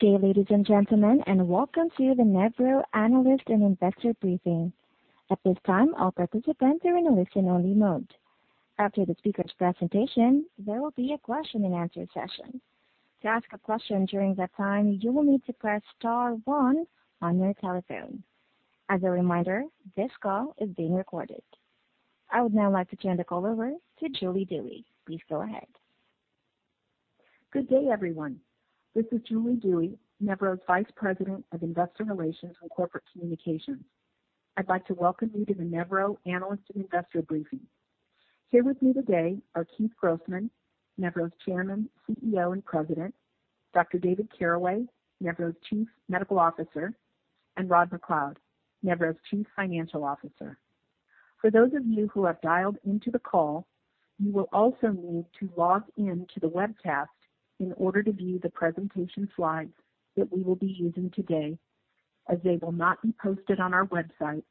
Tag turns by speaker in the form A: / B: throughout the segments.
A: Good day, ladies and gentlemen, and welcome to the Nevro Analyst & Investor Briefing.
B: Good day, everyone. This is Julie Dewey, Nevro's Vice President of Investor Relations and Corporate Communications. I'd like to welcome you to the Nevro Analyst & Investor Briefing. Here with me today are Keith Grossman, Nevro's Chairman, CEO, and President, Dr. David Caraway, Nevro's Chief Medical Officer, and Rod MacLeod, Nevro's Chief Financial Officer. For those of you who have dialed into the call, you will also need to log in to the webcast in order to view the presentation slides that we will be using today, as they will not be posted on our website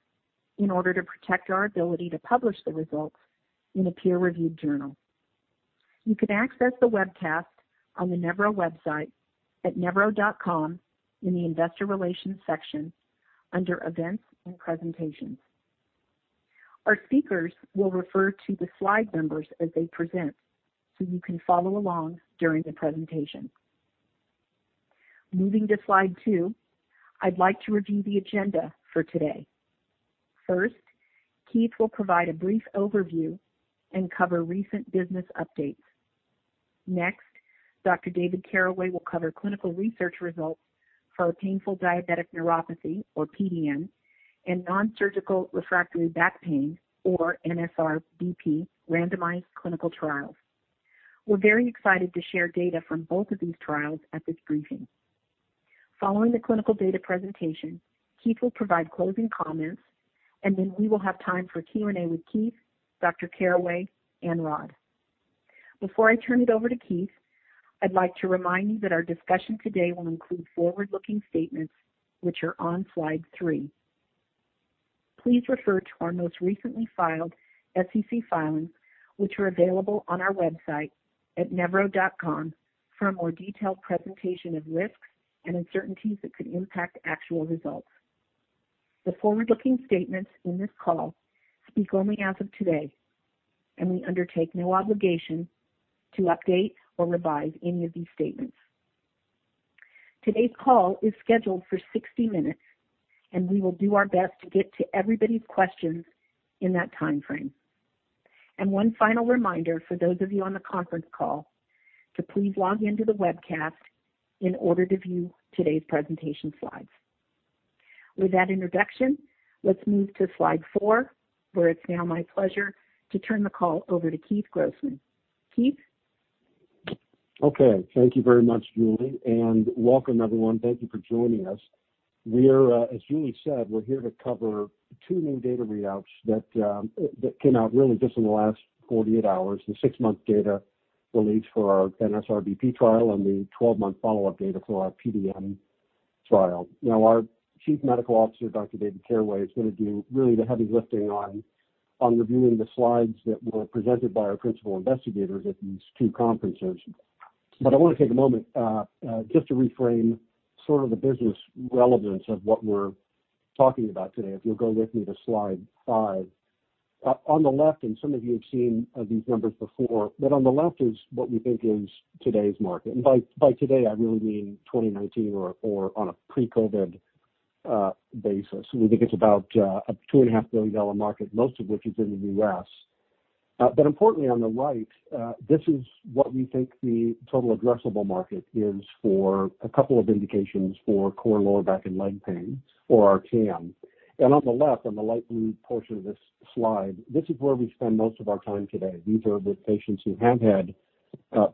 B: in order to protect our ability to publish the results in a peer-reviewed journal. You can access the webcast on the nevro.com website at nevro.com in the Investor Relations section under Events and Presentations. Our speakers will refer to the slide numbers as they present, so you can follow along during the presentation. Moving to slide two, I'd like to review the agenda for today. First, Keith will provide a brief overview and cover recent business updates. Next, Dr. David Caraway will cover clinical research results for our Painful Diabetic Neuropathy, or PDN, and Non-Surgical Refractory Back Pain, or NSRBP, randomized clinical trials. We're very excited to share data from both of these trials at this briefing. Following the clinical data presentation, Keith will provide closing comments, and then we will have time for Q&A with Keith, Dr. Caraway, and Rod. Before I turn it over to Keith, I'd like to remind you that our discussion today will include forward-looking statements, which are on slide three. Please refer to our most recently filed SEC filings, which are available on our website at nevro.com, for a more detailed presentation of risks and uncertainties that could impact actual results. The forward-looking statements in this call speak only as of today, and we undertake no obligation to update or revise any of these statements. Today's call is scheduled for 60 minutes, and we will do our best to get to everybody's questions in that timeframe. One final reminder for those of you on the conference call to please log in to the webcast in order to view today's presentation slides. With that introduction, let's move to slide four, where it's now my pleasure to turn the call over to Keith Grossman. Keith?
C: Okay. Thank you very much, Julie, welcome, everyone. Thank you for joining us. As Julie said, we're here to cover two main data readouts that came out really just in the last 48 hours, the six-month data release for our NSRBP trial and the 12-month follow-up data for our PDN trial. Our Chief Medical Officer, Dr. David Caraway, is going to do really the heavy lifting on reviewing the slides that were presented by our principal investigators at these two conferences. I want to take a moment just to reframe sort of the business relevance of what we're talking about today. If you'll go with me to slide five. Some of you have seen these numbers before, on the left is what we think is today's market. By today, I really mean 2019 or on a pre-COVID basis. We think it's about a $2.5 billion market, most of which is in the U.S. Importantly, on the right, this is what we think the total addressable market is for a couple of indications for core, lower back, and leg pain for our TAM. On the left, on the light blue portion of this slide, this is where we spend most of our time today. These are the patients who have had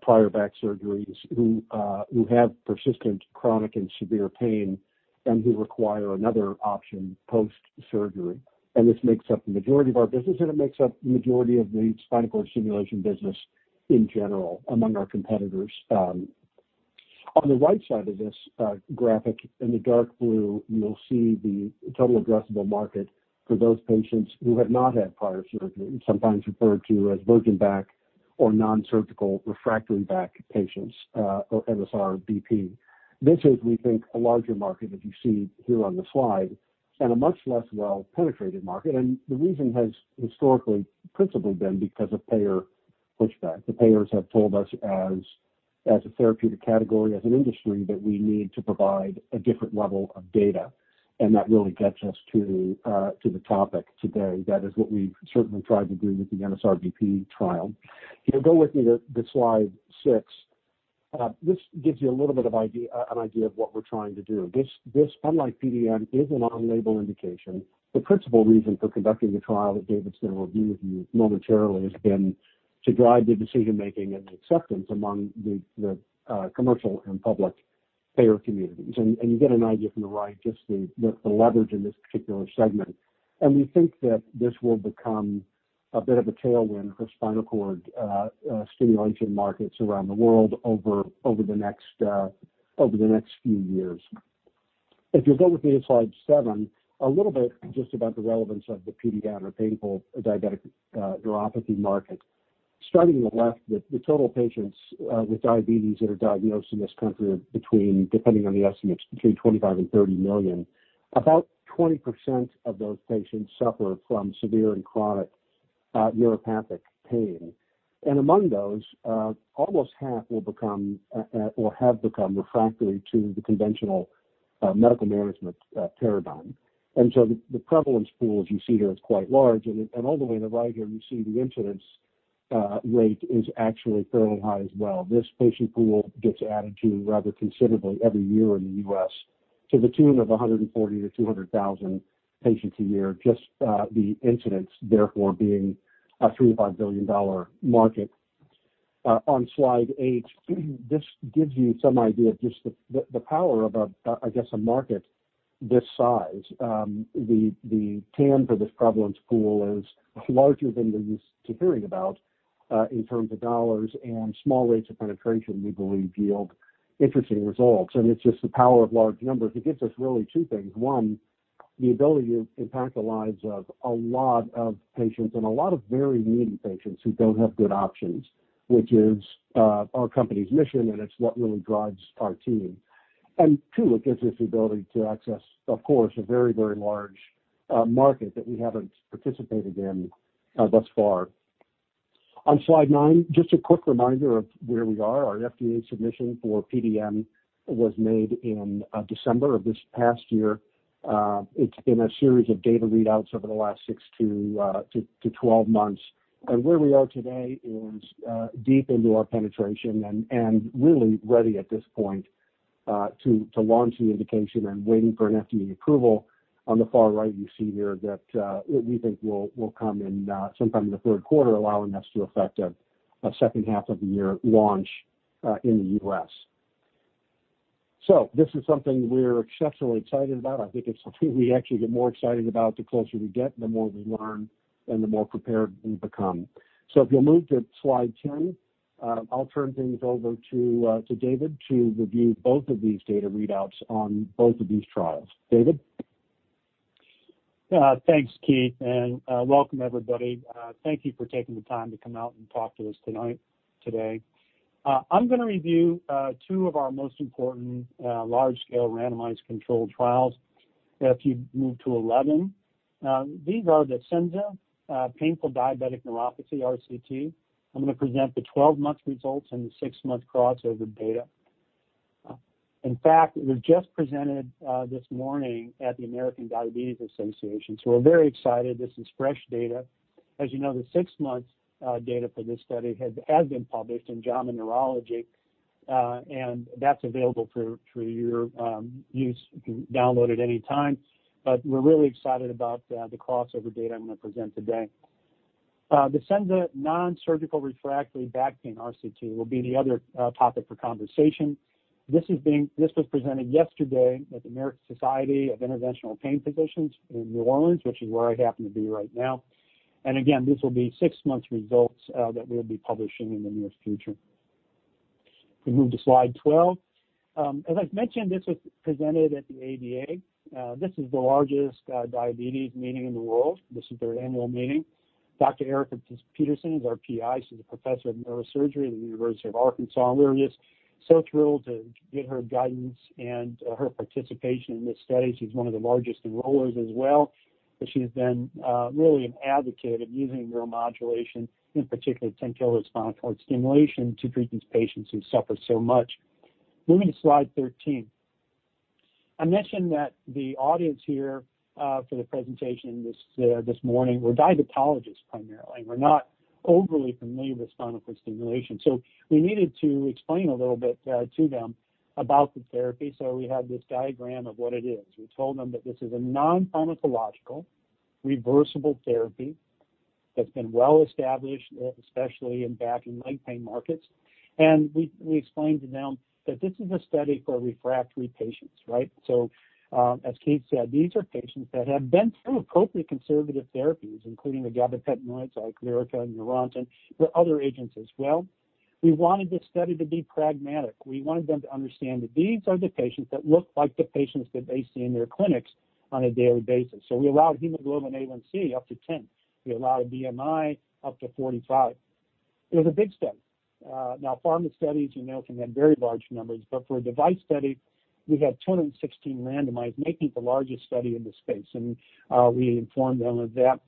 C: prior back surgeries, who have persistent chronic and severe pain, and who require another option post-surgery. This makes up the majority of our business, and it makes up the majority of the spinal cord stimulation business in general among our competitors. On the right side of this graphic in the dark blue, you'll see the total addressable market for those patients who have not had prior surgery, sometimes referred to as virgin back or Non-Surgical Refractory Back patients, or NSRBP. This is, we think, a larger market as you see here on the slide, and a much less well-penetrated market. The reason has historically principally been because of payer pushback. The payers have told us as a therapeutic category, as an industry, that we need to provide a different level of data, and that really gets us to the topic today. That is what we've certainly tried to do with the NSRBP trial. If you'll go with me to slide six. This gives you a little bit of an idea of what we're trying to do. This, unlike PDN, is an on-label indication. The principal reason for conducting the trial that David's going to review with you momentarily has been to drive the decision-making and the acceptance among the commercial and public payer communities. You get an idea from the right, just the leverage in this particular segment. We think that this will become a bit of a tailwind for spinal cord stimulation markets around the world over the next few years. If you'll go with me to slide seven, a little bit just about the relevance of the PDN, or Painful Diabetic Neuropathy market. Starting on the left, the total patients with diabetes that are diagnosed in this country are between, depending on the estimates, between 25 and 30 million. About 20% of those patients suffer from severe and chronic neuropathic pain. Among those, almost half will become, or have become, refractory to the conventional medical management paradigm. The prevalence pool, as you see here, is quite large. All the way on the right here, you see the incidence rate is actually fairly high as well. This patient pool gets added to rather considerably every year in the U.S., to the tune of 140,000-200,000 patients a year, just the incidence therefore being a $3 billion-$5 billion market. On slide eight, this gives you some idea of just the power of, I guess, a market this size. The TAM for this prevalence pool is larger than you're used to hearing about in terms of dollars, and small rates of penetration, we believe, yield interesting results, and it's just the power of large numbers. It gives us really two things. One, the ability to impact the lives of a lot of patients, and a lot of very needy patients who don't have good options, which is our company's mission, and it's what really drives our team. Two, it gives us the ability to access, of course, a very, very large market that we haven't participated in thus far. On slide nine, just a quick reminder of where we are. Our FDA submission for PDN was made in December of this past year. It's been a series of data readouts over the last 6-12 months. Where we are today is deep into our penetration and really ready at this point to launch the indication and waiting for an FDA approval. On the far right, you see here that we think will come in sometime in the third quarter, allowing us to effect a second half of the year launch in the U.S. This is something we're exceptionally excited about. I think it's something we actually get more excited about the closer we get and the more we learn, and the more prepared we become. If you'll move to slide 10, I'll turn things over to David to review both of these data readouts on both of these trials. David?
D: Thanks, Keith, and welcome, everybody. Thank you for taking the time to come out and talk to us today. I'm going to review two of our most important large-scale randomized controlled trials. If you'd move to 11. These are the SENZA Painful Diabetic Neuropathy RCT. I'm going to present the 12-month results and the six-month crossover data. In fact, it was just presented this morning at the American Diabetes Association, so we're very excited. This is fresh data. As you know, the six-month data for this study has been published in JAMA Neurology, and that's available for your use. You can download it anytime. We're really excited about the crossover data I'm going to present today. The SENZA Non-Surgical Refractory Back Pain RCT will be the other topic for conversation. This was presented yesterday at the American Society of Interventional Pain Physicians in New Orleans, which is where I happen to be right now. Again, this will be six-month results that we'll be publishing in the near future. If we move to slide 12. As I've mentioned, this was presented at the ADA. This is the largest diabetes meeting in the world. This is their annual meeting. Dr. Erika Petersen is our PI. She's a Professor of Neurosurgery at the University of Arkansas for Medical Sciences, and we are just so thrilled to get her guidance and her participation in this study. She's one of the largest enrollers as well, but she has been really an advocate of using neuromodulation, in particular 10 kHz spinal cord stimulation, to treat these patients who suffer so much. Moving to slide 13. I mentioned that the audience here for the presentation this morning were diabetologists primarily, who are not overly familiar with spinal cord stimulation, so we needed to explain a little bit to them about the therapy. We had this diagram of what it is. We told them that this is a non-pharmacological, reversible therapy that's been well established, especially in back and leg pain markets. We explained to them that this is a study for refractory patients. As Keith said, these are patients that have been through appropriate conservative therapies, including the gabapentinoids like Lyrica and Neurontin, but other agents as well. We wanted this study to be pragmatic. We wanted them to understand that these are the patients that look like the patients that they see in their clinics on a daily basis. We allowed hemoglobin A1c up to 10. We allowed BMI up to 45. It was a big study. Now, pharma studies you know can have very large numbers, but for a device study, we had 216 randomized, making it the largest study in this space. We informed them of that.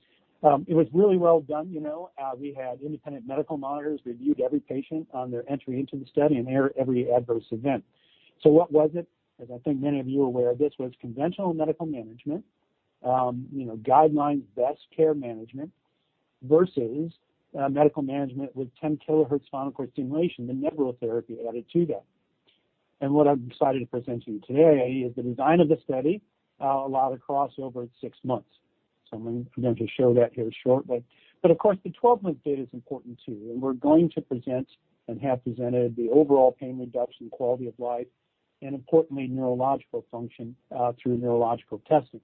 D: It was really well done. We had independent medical monitors, reviewed every patient on their entry into the study and every adverse event. What was it? As I think many of you are aware, this was conventional medical management, guideline best care management, versus medical management with 10 kHz spinal cord stimulation, the Nevro therapy added to that. What I'm excited to present to you today is the design of the study allowed a crossover at six months. I'm going to show that here shortly. Of course, the 12-month data is important, too, and we're going to present and have presented the overall pain reduction, quality of life, and importantly, neurological function through neurological testing.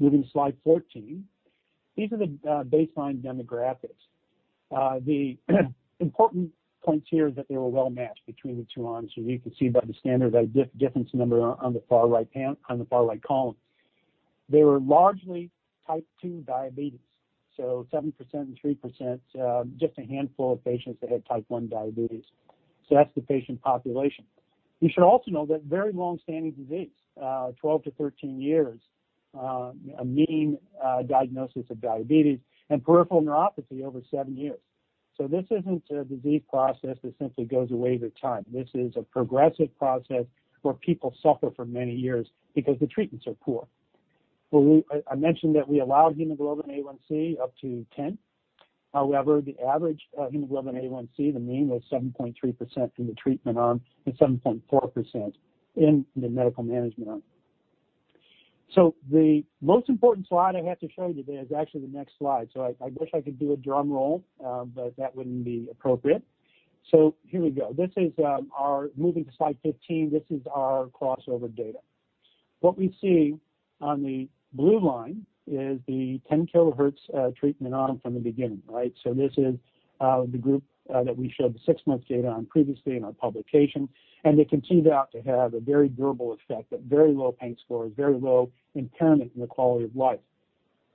D: Moving to slide 14, these are the baseline demographics. The important points here is that they were well-matched between the two arms, as you can see by the standardized difference number on the far right column. They were largely type 2 diabetes, so 7% and 3%, just a handful of patients that had type 1 diabetes. That's the patient population. You should also know they're very long-standing disease, 12-13 years, a mean diagnosis of diabetes, and peripheral neuropathy over seven years. This isn't a disease process that simply goes away with time. This is a progressive process where people suffer for many years because the treatments are poor. I mentioned that we allow hemoglobin A1c up to 10. The average hemoglobin A1c, the mean was 7.3% in the treatment arm and 7.4% in the medical management arm. The most important slide I have to show you today is actually the next slide. I wish I could do a drum roll, but that wouldn't be appropriate. Here we go. Moving to slide 15, this is our crossover data. What we see on the blue line is the 10 kHz treatment arm from the beginning. This is the group that we showed the six-month data on previously in our publication, and you can see that to have a very durable effect, at very low pain scores, very low impairment in the quality of life.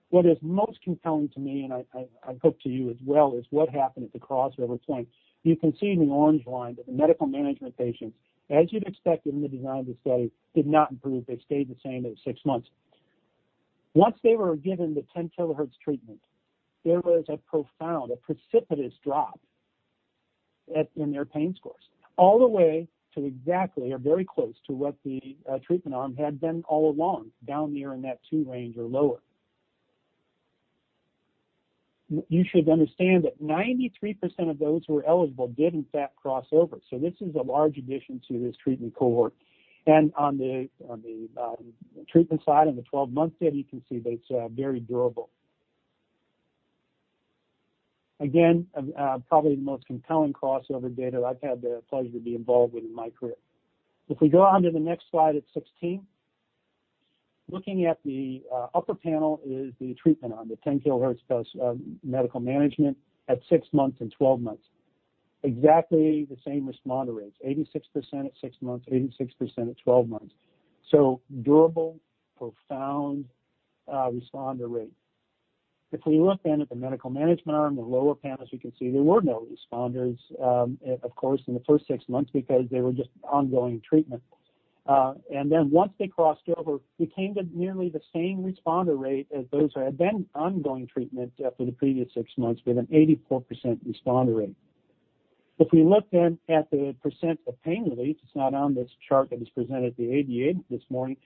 D: What is most compelling to me, and I hope to you as well, is what happened at the crossover point. You can see in the orange line that the medical management patients, as you'd expect in the design of the study, did not improve. They stayed the same at six months. Once they were given the 10 kHz treatment, there was a profound, a precipitous drop in their pain scores, all the way to exactly or very close to what the treatment arm had been all along, down near in that two range or lower. You should understand that 93% of those who were eligible did in fact crossover. This is a large addition to this treatment cohort. On the treatment side, on the 12-month data, you can see that it's very durable. Again, probably the most compelling crossover data I've had the pleasure to be involved with in my career. If we go on to the next slide at 16, looking at the upper panel is the treatment on the 10 kHz versus medical management at six months and 12 months. Exactly the same responder rates, 86% at six months, 86% at 12 months. Durable, profound responder rate. If we look then at the medical management arm, the lower panel, as you can see, there were no responders, of course, in the first six months because they were just ongoing treatment. Once they crossed over, became nearly the same responder rate as those that had been ongoing treatment for the previous six months with an 84% responder rate. If we look then at the percent of pain relief, it's not on this chart that was presented to the ADA this morning,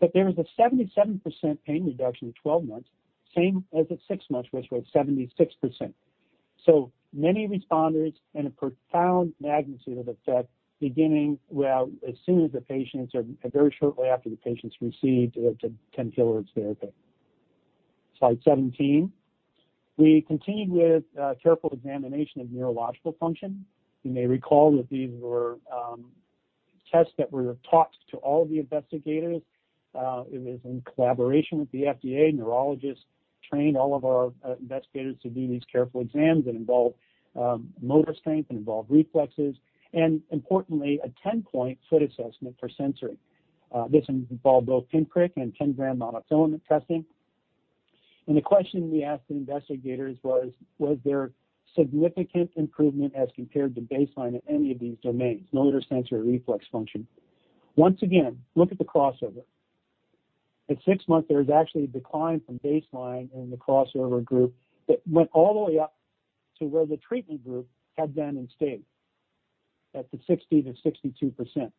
D: but there was a 77% pain reduction at 12 months, same as at six months, which was 76%. Many responders and a profound magnitude of effect beginning as soon as the patients or very shortly after the patients received the 10 kHz therapy. Slide 17. We continued with careful examination of neurological function. You may recall that these were tests that were taught to all the investigators. It was in collaboration with the FDA. Neurologists trained all of our investigators to do these careful exams that involve motor strength, involve reflexes, and importantly, a 10-point foot assessment for sensory. This involved both pinprick and 10-gram monofilament testing. The question we asked the investigators was: Was there significant improvement as compared to baseline in any of these domains, motor, sensory, or reflex function? Once again, look at the crossover. At six months, there was actually a decline from baseline in the crossover group that went all the way up to where the treatment group had been and stayed, at the 60%-62%.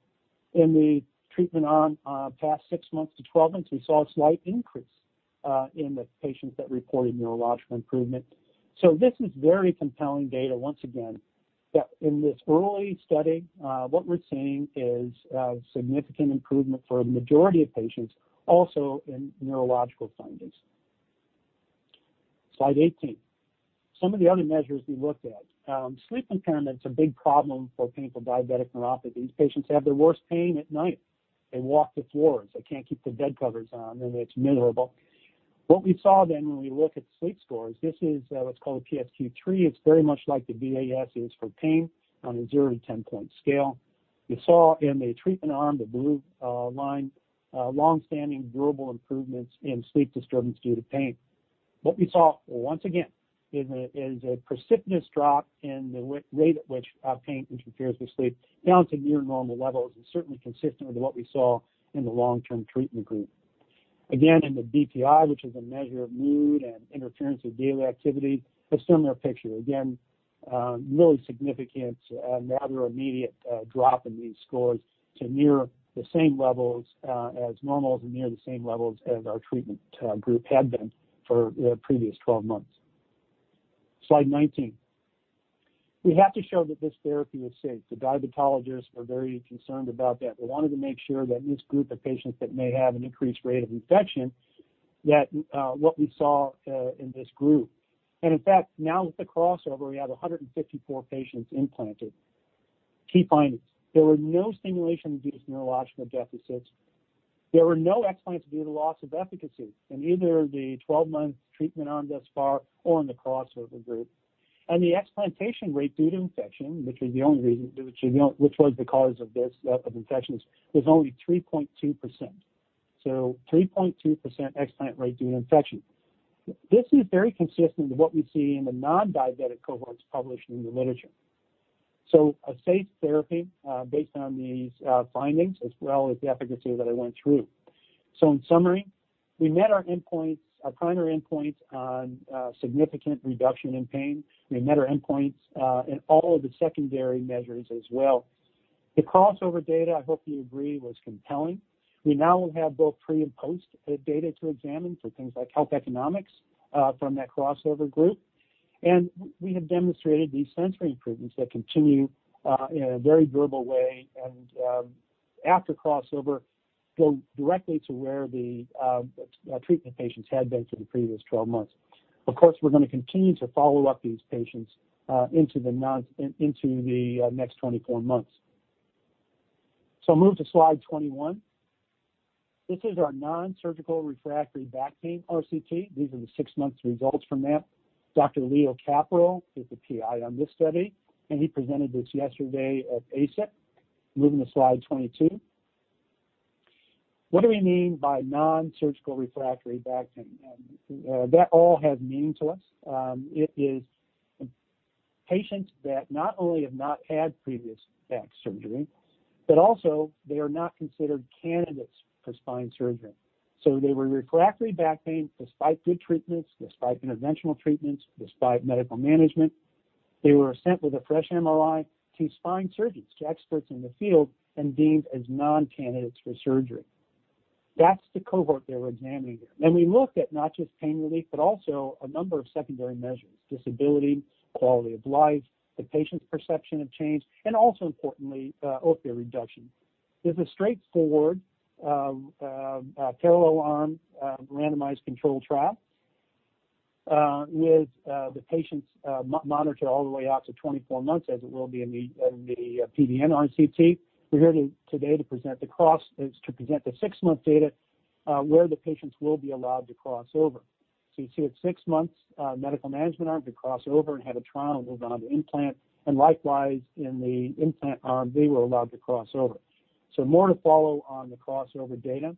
D: In the treatment arm past six months to 12 months, we saw a slight increase in the patients that reported neurological improvement. This is very compelling data, once again, that in this early study, what we're seeing is significant improvement for a majority of patients, also in neurological findings. Slide 18. Some of the other measures we looked at. Sleep impairment is a big problem for people with diabetic neuropathy. These patients have their worst pain at night. They walk the floors. They can't keep the bed covers on, and it's miserable. What we saw when we look at sleep scores, this is what's called PSQ-3. It's very much like the VAS. It's for pain on a 0-10 point scale. We saw in the treatment arm, the blue line, long-standing durable improvements in sleep disturbance due to pain. What we saw, once again, is a precipitous drop in the rate at which pain interferes with sleep down to near normal levels and certainly consistent with what we saw in the long-term treatment group. In the BPI, which is a measure of mood and interference with daily activity, a similar picture. Really significant rather immediate drop in these scores to near the same levels as normal, to near the same levels as our treatment group had been for the previous 12 months. Slide 19. We have to show that this therapy is safe. The diabetologists are very concerned about that. We wanted to make sure that this group of patients that may have an increased rate of infection, that what we saw in this group. In fact, now with the crossover, we have 154 patients implanted. Key findings. There were no stimulation-induced neurological deficits. There were no explants due to loss of efficacy in either the 12-month treatment arm thus far or in the crossover group. The explantation rate due to infection, which was the cause of infections, was only 3.2%. 3.2% explant rate due to infection. This is very consistent with what we see in the non-diabetic cohorts published in the literature. A safe therapy based on these findings as well as the efficacy that I went through. In summary, we met our primary endpoints on significant reduction in pain. We met our endpoints in all of the secondary measures as well. The crossover data, I hope you agree, was compelling. We now have both pre and post data to examine for things like health economics from that crossover group. We have demonstrated these sensory improvements that continue in a very durable way and after crossover, go directly to where the treatment patients had been for the previous 12 months. Of course, we're going to continue to follow up these patients into the next 24 months. Move to slide 21. This is our Non-Surgical Refractory Back Pain RCT. These are the six-month results from that. Dr. Leo Kapural is the PI on this study, and he presented this yesterday at ASIPP. Moving to slide 22. What do we mean by Non-Surgical Refractory Back Pain? That all has meaning to us. It is patients that not only have not had previous back surgery, but also they are not considered candidates for spine surgery. They were refractory back pain despite good treatments, despite interventional treatments, despite medical management. They were sent with a fresh MRI to spine surgeons, to experts in the field, and deemed as non-candidates for surgery. That's the cohort they were examining there. We looked at not just pain relief, but also a number of secondary measures, disability, quality of life, the patient's perception of change, and also importantly, opioid reduction. This is straightforward, parallel arm, randomized controlled trial, with the patients monitored all the way out to 24 months as it will be in the PDN RCT. We're here today to present the six-month data, where the patients will be allowed to cross over. You see at six months, medical management arm could cross over and have a trial and move on to implant, and likewise in the implant arm, they were allowed to cross over. More to follow on the crossover data.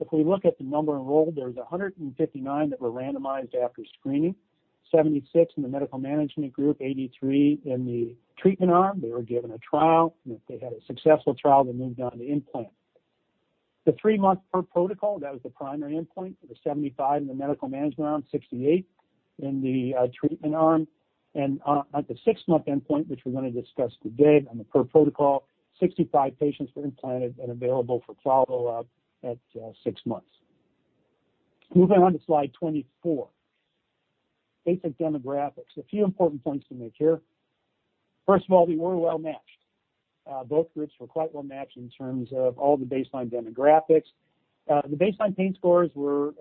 D: If we look at the number enrolled, there was 159 that were randomized after screening, 76 in the medical management group, 83 in the treatment arm. They were given a trial, and if they had a successful trial, they moved on to implant. The three-month per protocol, that was the primary endpoint for the 75 in the medical management arm, 68 in the treatment arm. At the six-month endpoint, which we're going to discuss today on the per protocol, 65 patients were implanted and available for follow-up at six months. Moving on to slide 24. Basic demographics. A few important points to make here. First of all, we were well-matched. Both groups were quite well-matched in terms of all the baseline demographics. The baseline pain scores were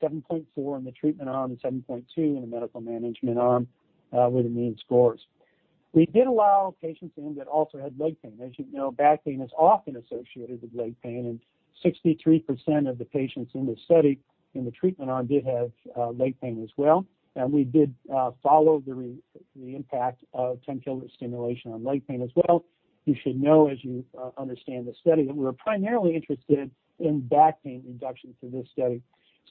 D: 7.4 in the treatment arm and 7.2 in the medical management arm, were the mean scores. We did allow patients in that also had leg pain. As you know, back pain is often associated with leg pain, and 63% of the patients in the study in the treatment arm did have leg pain as well, and we did follow the impact of 10 kHz stimulation on leg pain as well. You should know, as you understand the study, that we were primarily interested in back pain reduction for this study.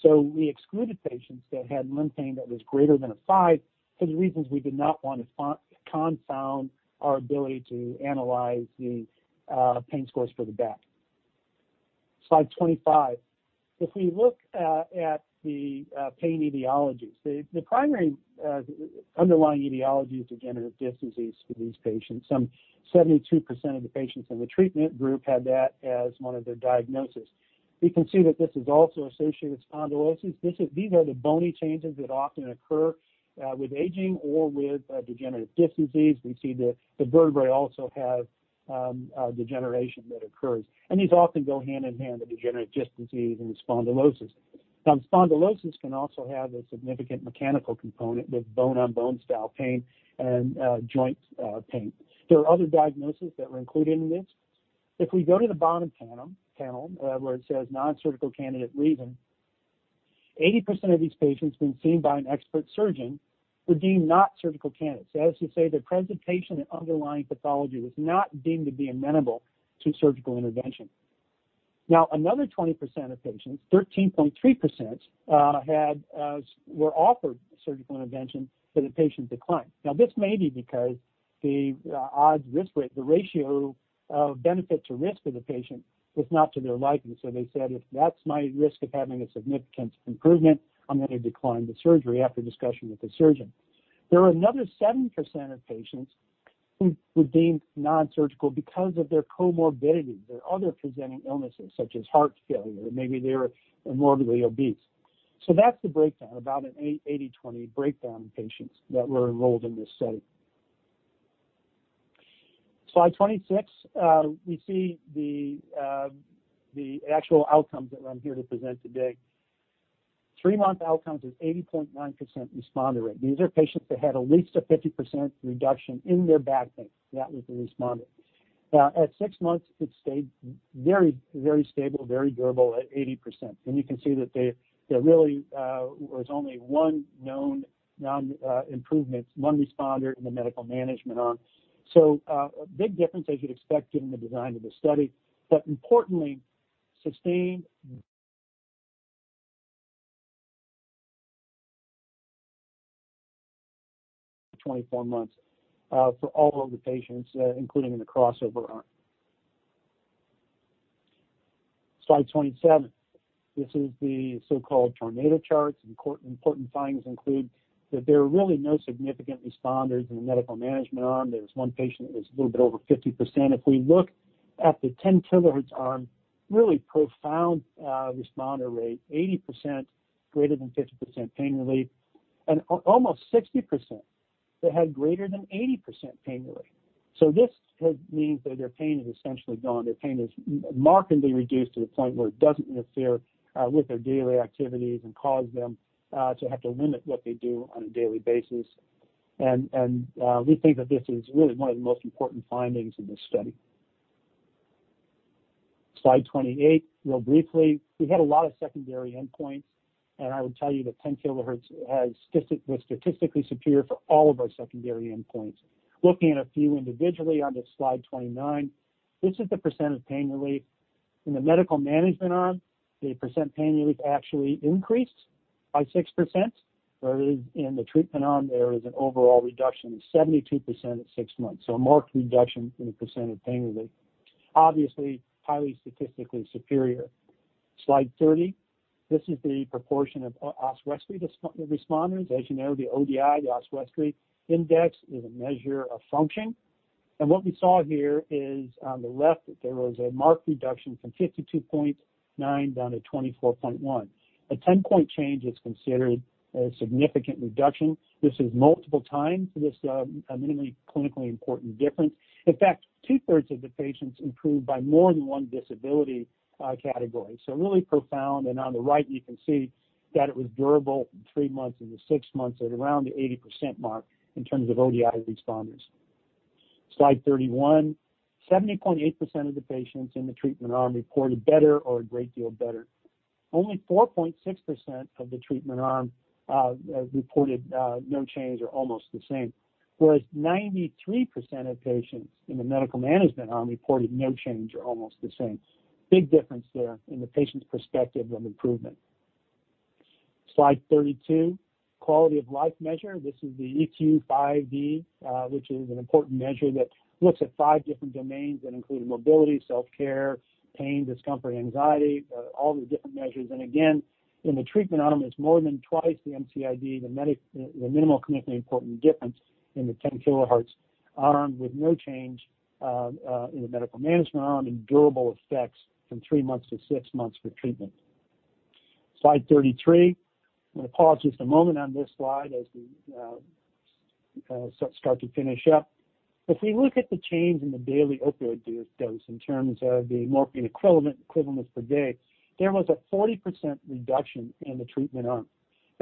D: We excluded patients that had limb pain that was greater than a 5 for the reasons we did not want to confound our ability to analyze the pain scores for the back. Slide 25. If we look at the pain etiologies, the primary underlying etiologies, again, are disc disease for these patients. Some 72% of the patients in the treatment group had that as one of their diagnoses. We can see that this is also associated with spondylosis. These are the bony changes that often occur with aging or with degenerative disc disease. We see the vertebrae also have degeneration that occurs, and these often go hand-in-hand, the degenerative disc disease and spondylosis. Spondylosis can also have a significant mechanical component with bone-on-bone-style pain and joint pain. There are other diagnoses that were included in this. If we go to the bottom panel, where it says non-surgical candidate reason, 80% of these patients, when seen by an expert surgeon, were deemed not surgical candidates. That is to say, their presentation and underlying pathology was not deemed to be amenable to surgical intervention. Another 20% of patients, 13.3%, were offered surgical intervention, the patient declined. This may be because the ratio of benefit to risk for the patient was not to their liking. They said, "If that's my risk of having a significant improvement, I'm going to decline the surgery after discussion with the surgeon." There were another 7% of patients who were deemed non-surgical because of their comorbidity, their other presenting illnesses, such as heart failure. Maybe they're morbidly obese. That's the breakdown, about an 80/20 breakdown in patients that were enrolled in this study. Slide 26, we see the actual outcomes that I'm here to present today. Three-month outcomes is 80.9% responder rate. These are patients that had at least a 50% reduction in their back pain. That was a responder. At six months, it stayed very stable, very durable at 80%. You can see that there really was only one known non-improvements, one responder in the medical management arm. A big difference, as you'd expect, given the design of the study. Importantly, sustained 24 months for all of our patients, including the crossover arm. Slide 27, this is the so-called tornado charts. Important findings include that there are really no significant responders in the medical management arm. There's one patient that's a little bit over 50%. If we look at the 10 kHz arm, really profound responder rate, 80% greater than 50% pain relief, and almost 60% that had greater than 80% pain relief. This means that their pain is essentially gone. Their pain is markedly reduced to the point where it doesn't interfere with their daily activities and cause them to have to limit what they do on a daily basis. We think that this is really one of the most important findings in this study. Slide 28, real briefly, we had a lot of secondary endpoints, and I would tell you that 10 kHz was statistically superior for all of our secondary endpoints. Looking at a few individually on to slide 29, this is the percent of pain relief. In the medical management arm, the percent pain relief actually increased by 6%, whereas in the treatment arm, there is an overall reduction of 72% at six months. A marked reduction in the percent of pain relief. Obviously, highly statistically superior. Slide 30, this is the proportion of Oswestry responders. As you know, the ODI, the Oswestry index, is a measure of function. What we saw here is on the left, there was a marked reduction from 52.9 down to 24.1. A 10-point change is considered a significant reduction. This is multiple times this minimally clinically important difference. In fact, two-thirds of the patients improved by more than one disability category. Really profound, and on the right, you can see that it was durable from three months into six months at around the 80% mark in terms of ODI responders. Slide 31, 70.8% of the patients in the treatment arm reported better or a great deal better. Only 4.6% of the treatment arm reported no change or almost the same, whereas 93% of patients in the medical management arm reported no change or almost the same. Big difference there in the patient's perspective of improvement. Slide 32, quality of life measure. This is the EQ-5D, which is an important measure that looks at five different domains that include mobility, self-care, pain, discomfort, anxiety, all the different measures. Again, in the treatment arm, it's more than twice the MCID, the minimal clinically important difference in the 10 kHz arm with no change in the medical management arm and durable effects from three months to six months for treatment. Slide 33, I'm going to pause just a moment on this slide as we start to finish up. If we look at the change in the daily opioid dose in terms of the morphine equivalents per day, there was a 40% reduction in the treatment arm.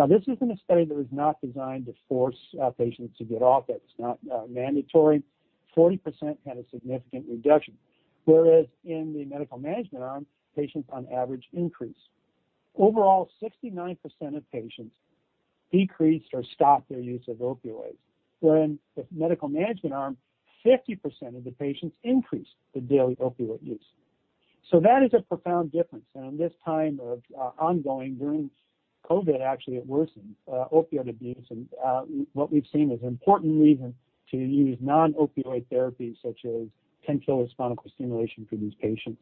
D: This was in a study that was not designed to force patients to get off it. It's not mandatory. 40% had a significant reduction, whereas in the medical management arm, patients on average increased. Overall, 69% of patients decreased or stopped their use of opioids, where in the medical management arm, 50% of the patients increased the daily opioid use. That is a profound difference. In this time of ongoing, during COVID, actually, it worsened opioid abuse. What we've seen is important reason to use non-opioid therapy such as 10 kHz spinal cord stimulation for these patients.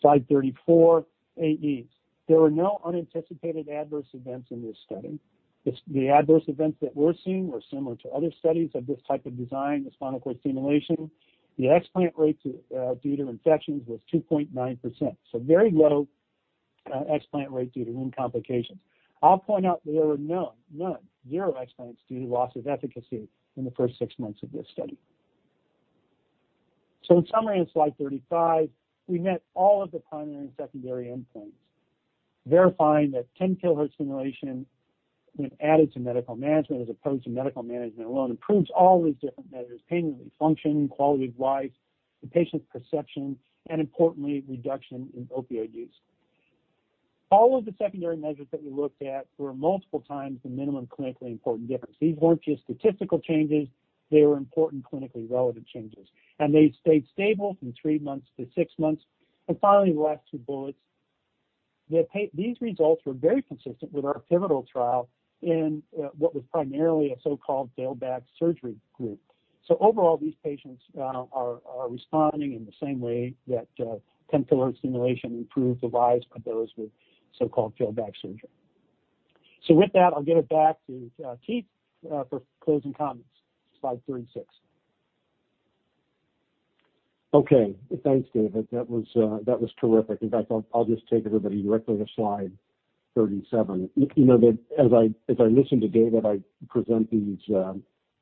D: Slide 34, AEs. There were no unanticipated adverse events in this study. The adverse events that we're seeing were similar to other studies of this type of design of spinal cord stimulation. The explant rate due to infections was 2.9%. Very low explant rate due to wound complications. I'll point out there were none, zero explants due to loss of efficacy in the first six months of this study. In summary, on slide 35, we met all of the primary and secondary endpoints, verifying that 10 kHz stimulation, when added to medical management as opposed to medical management alone, improves all these different measures, pain relief, function, quality of life, the patient's perception, and importantly, reduction in opioid use. All of the secondary measures that we looked at were multiple times the minimum clinically important difference. These weren't just statistical changes. They were important clinically relevant changes, and they stayed stable from three months to six months. Finally, the last two bullets. These results were very consistent with our pivotal trial in what was primarily a so-called failed back surgery group. Overall, these patients are responding in the same way that 10 kHz stimulation improves the lives of those with so-called failed back surgery. With that, I'll give it back to Keith for closing comments. Slide 36.
C: Okay. Thanks, David. That was terrific. In fact, I'll just take everybody directly to slide 37. As I mentioned today, that I present these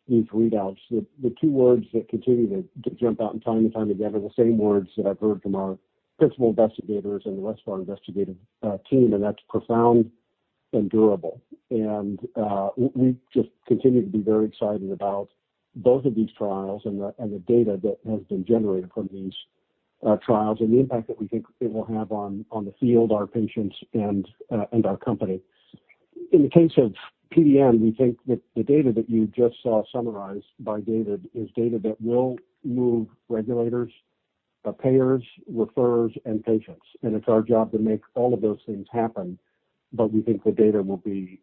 C: readouts, the two words that continue to jump out time and time again are the same words that I've heard from our principal investigators and the rest of our investigative team, and that's profound and durable. We just continue to be very excited about both of these trials and the data that has been generated from these trials, and the impact that we think it will have on the field, our patients, and our company. In the case of PDN, we think that the data that you just saw summarized by David is data that will move regulators, payers, referrers, and patients. It's our job to make all of those things happen, but we think the data will be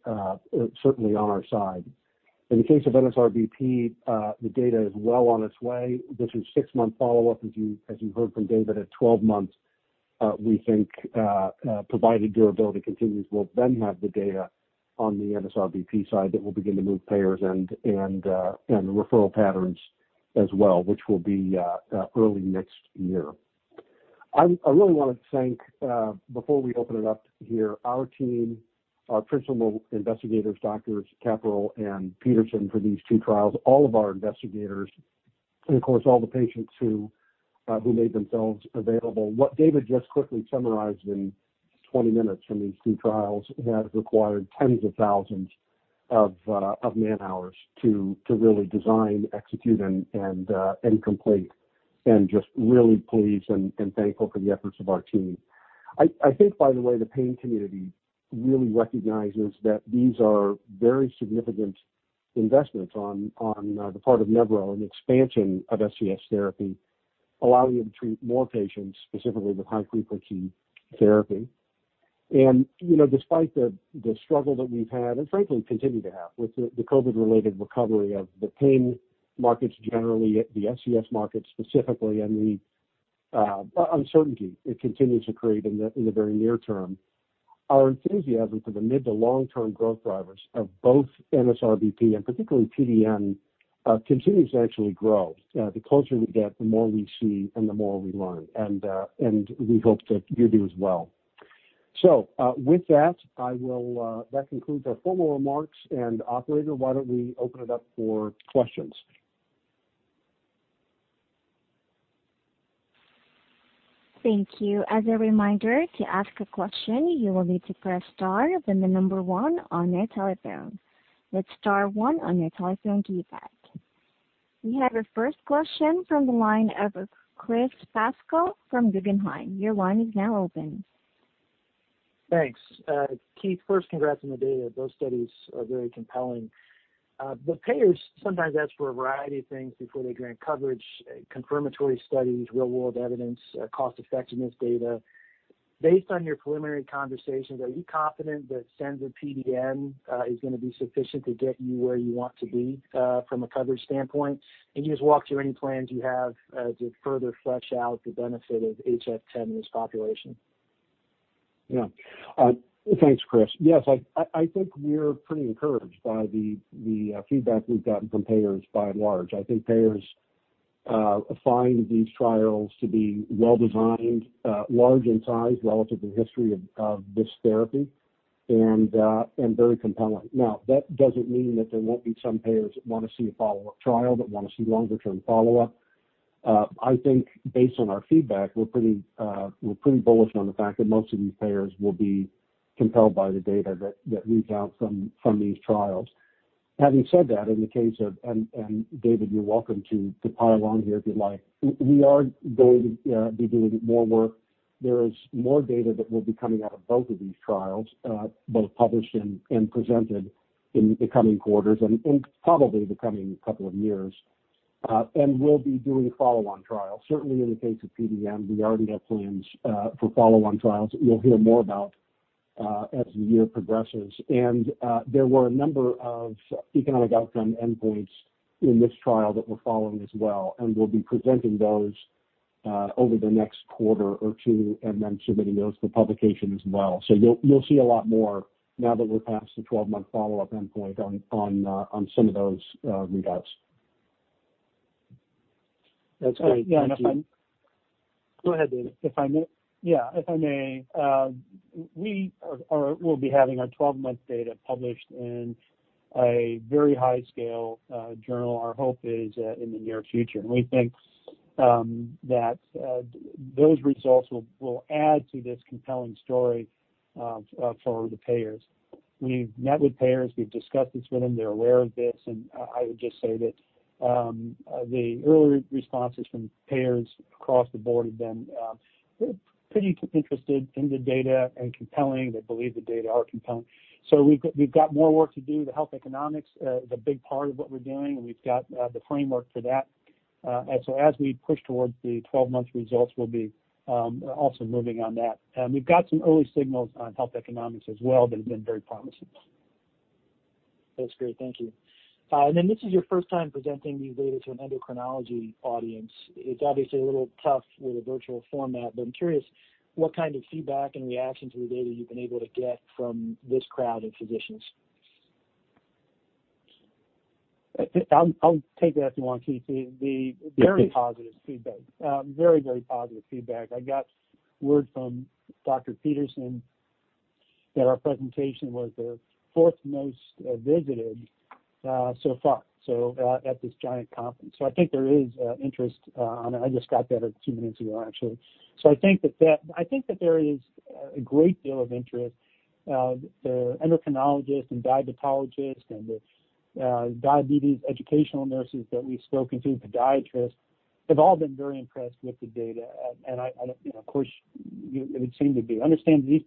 C: certainly on our side. In the case of NSRBP, the data is well on its way. This is six-month follow-up, as you heard from David. At 12 months, we think, provided durability continues, we'll then have the data on the NSRBP side that will begin to move payers and the referral patterns as well, which will be early next year. I really want to thank, before we open it up here, our team, our principal investigators, Doctors Kapural and Petersen, for these two trials, all of our investigators, and of course, all the patients who made themselves available. What David just quickly summarized in 20 minutes from these two trials has required tens of thousands of man-hours to really design, execute, and complete. Just really pleased and thankful for the efforts of our team. I think, by the way, the pain community really recognizes that these are very significant investments on the part of Nevro, an expansion of SCS therapy, allowing them to treat more patients, specifically with high-frequency therapy. Despite the struggle that we've had, and frankly, continue to have with the COVID-related recovery of the pain markets generally, the SCS market specifically, and the uncertainty it continues to create in the very near term, our enthusiasm for the mid to long-term growth drivers of both NSRBP and particularly PDN continues to actually grow. The closer we get, the more we see and the more we learn, and we hope that you do as well. With that concludes our formal remarks. Operator, why don't we open it up for questions?
A: Thank you. As a reminder, to ask a question, you will need to press star, then the number one on your telephone. That's star one on your telephone keypad. We have our first question from the line of Chris Pasquale from Guggenheim. Your line is now open.
E: Thanks. Keith, first, congrats on the data. Those studies are very compelling. Payers sometimes ask for a variety of things before they grant coverage, confirmatory studies, real-world evidence, cost-effectiveness data. Based on your preliminary conversations, are you confident that Senza PDN is going to be sufficient to get you where you want to be from a coverage standpoint? Can you just walk through any plans you have to further flesh out the benefit of HF10 in this population?
C: Thanks, Chris. I think we're pretty encouraged by the feedback we've gotten from payers by and large. Payers find these trials to be well-designed, large in size relative to the history of this therapy, and very compelling. That doesn't mean that there won't be some payers that want to see a follow-up trial, that want to see longer-term follow-up. Based on our feedback, we're pretty bullish on the fact that most of these payers will be compelled by the data that reads out from these trials. Having said that, in the case of, and David, you're welcome to pile on here if you like, we are going to be doing more work. There is more data that will be coming out of both of these trials, both published and presented in the coming quarters and probably the coming couple of years. We'll be doing follow-on trials. Certainly in the case of PDN, we already have plans for follow-on trials that you'll hear more about as the year progresses. There were a number of economic outcome endpoints in this trial that we're following as well, and we'll be presenting those over the next quarter or two and then submitting those for publication as well. You'll see a lot more now that we're past the 12-month follow-up endpoint on some of those readouts.
E: That's great. Thank you.
D: Yeah.
C: Go ahead, David.
D: Yeah, if I may. We will be having our 12-month data published in a very high-scale journal, our hope is in the near future. We think that those results will add to this compelling story for the payers. We've met with payers, we've discussed this with them, they're aware of this, and I would just say that the early responses from payers across the board have been pretty interested in the data and compelling. They believe the data are compelling. We've got more work to do. The health economics is a big part of what we're doing, and we've got the framework for that. As we push towards the 12-month results, we'll be also moving on that. We've got some early signals on health economics as well that have been very promising.
E: That's great. Thank you. This is your first time presenting these data to an endocrinology audience. It's obviously a little tough with a virtual format, but I am curious what kind of feedback and reaction to the data you have been able to get from this crowd of physicians?
D: I'll take that if you want, Keith.
C: Yeah, please.
D: The very positive feedback. Very, very positive feedback. I got word from Dr. Erika Petersen that our presentation was their fourth most visited so far at this giant conference. I think there is interest. I just got that a few minutes ago, actually. I think that there is a great deal of interest. The endocrinologists and diabetologists and the diabetes educational nurses that we've spoken to, podiatrists, have all been very impressed with the data. Of course, it would seem to be. Understand these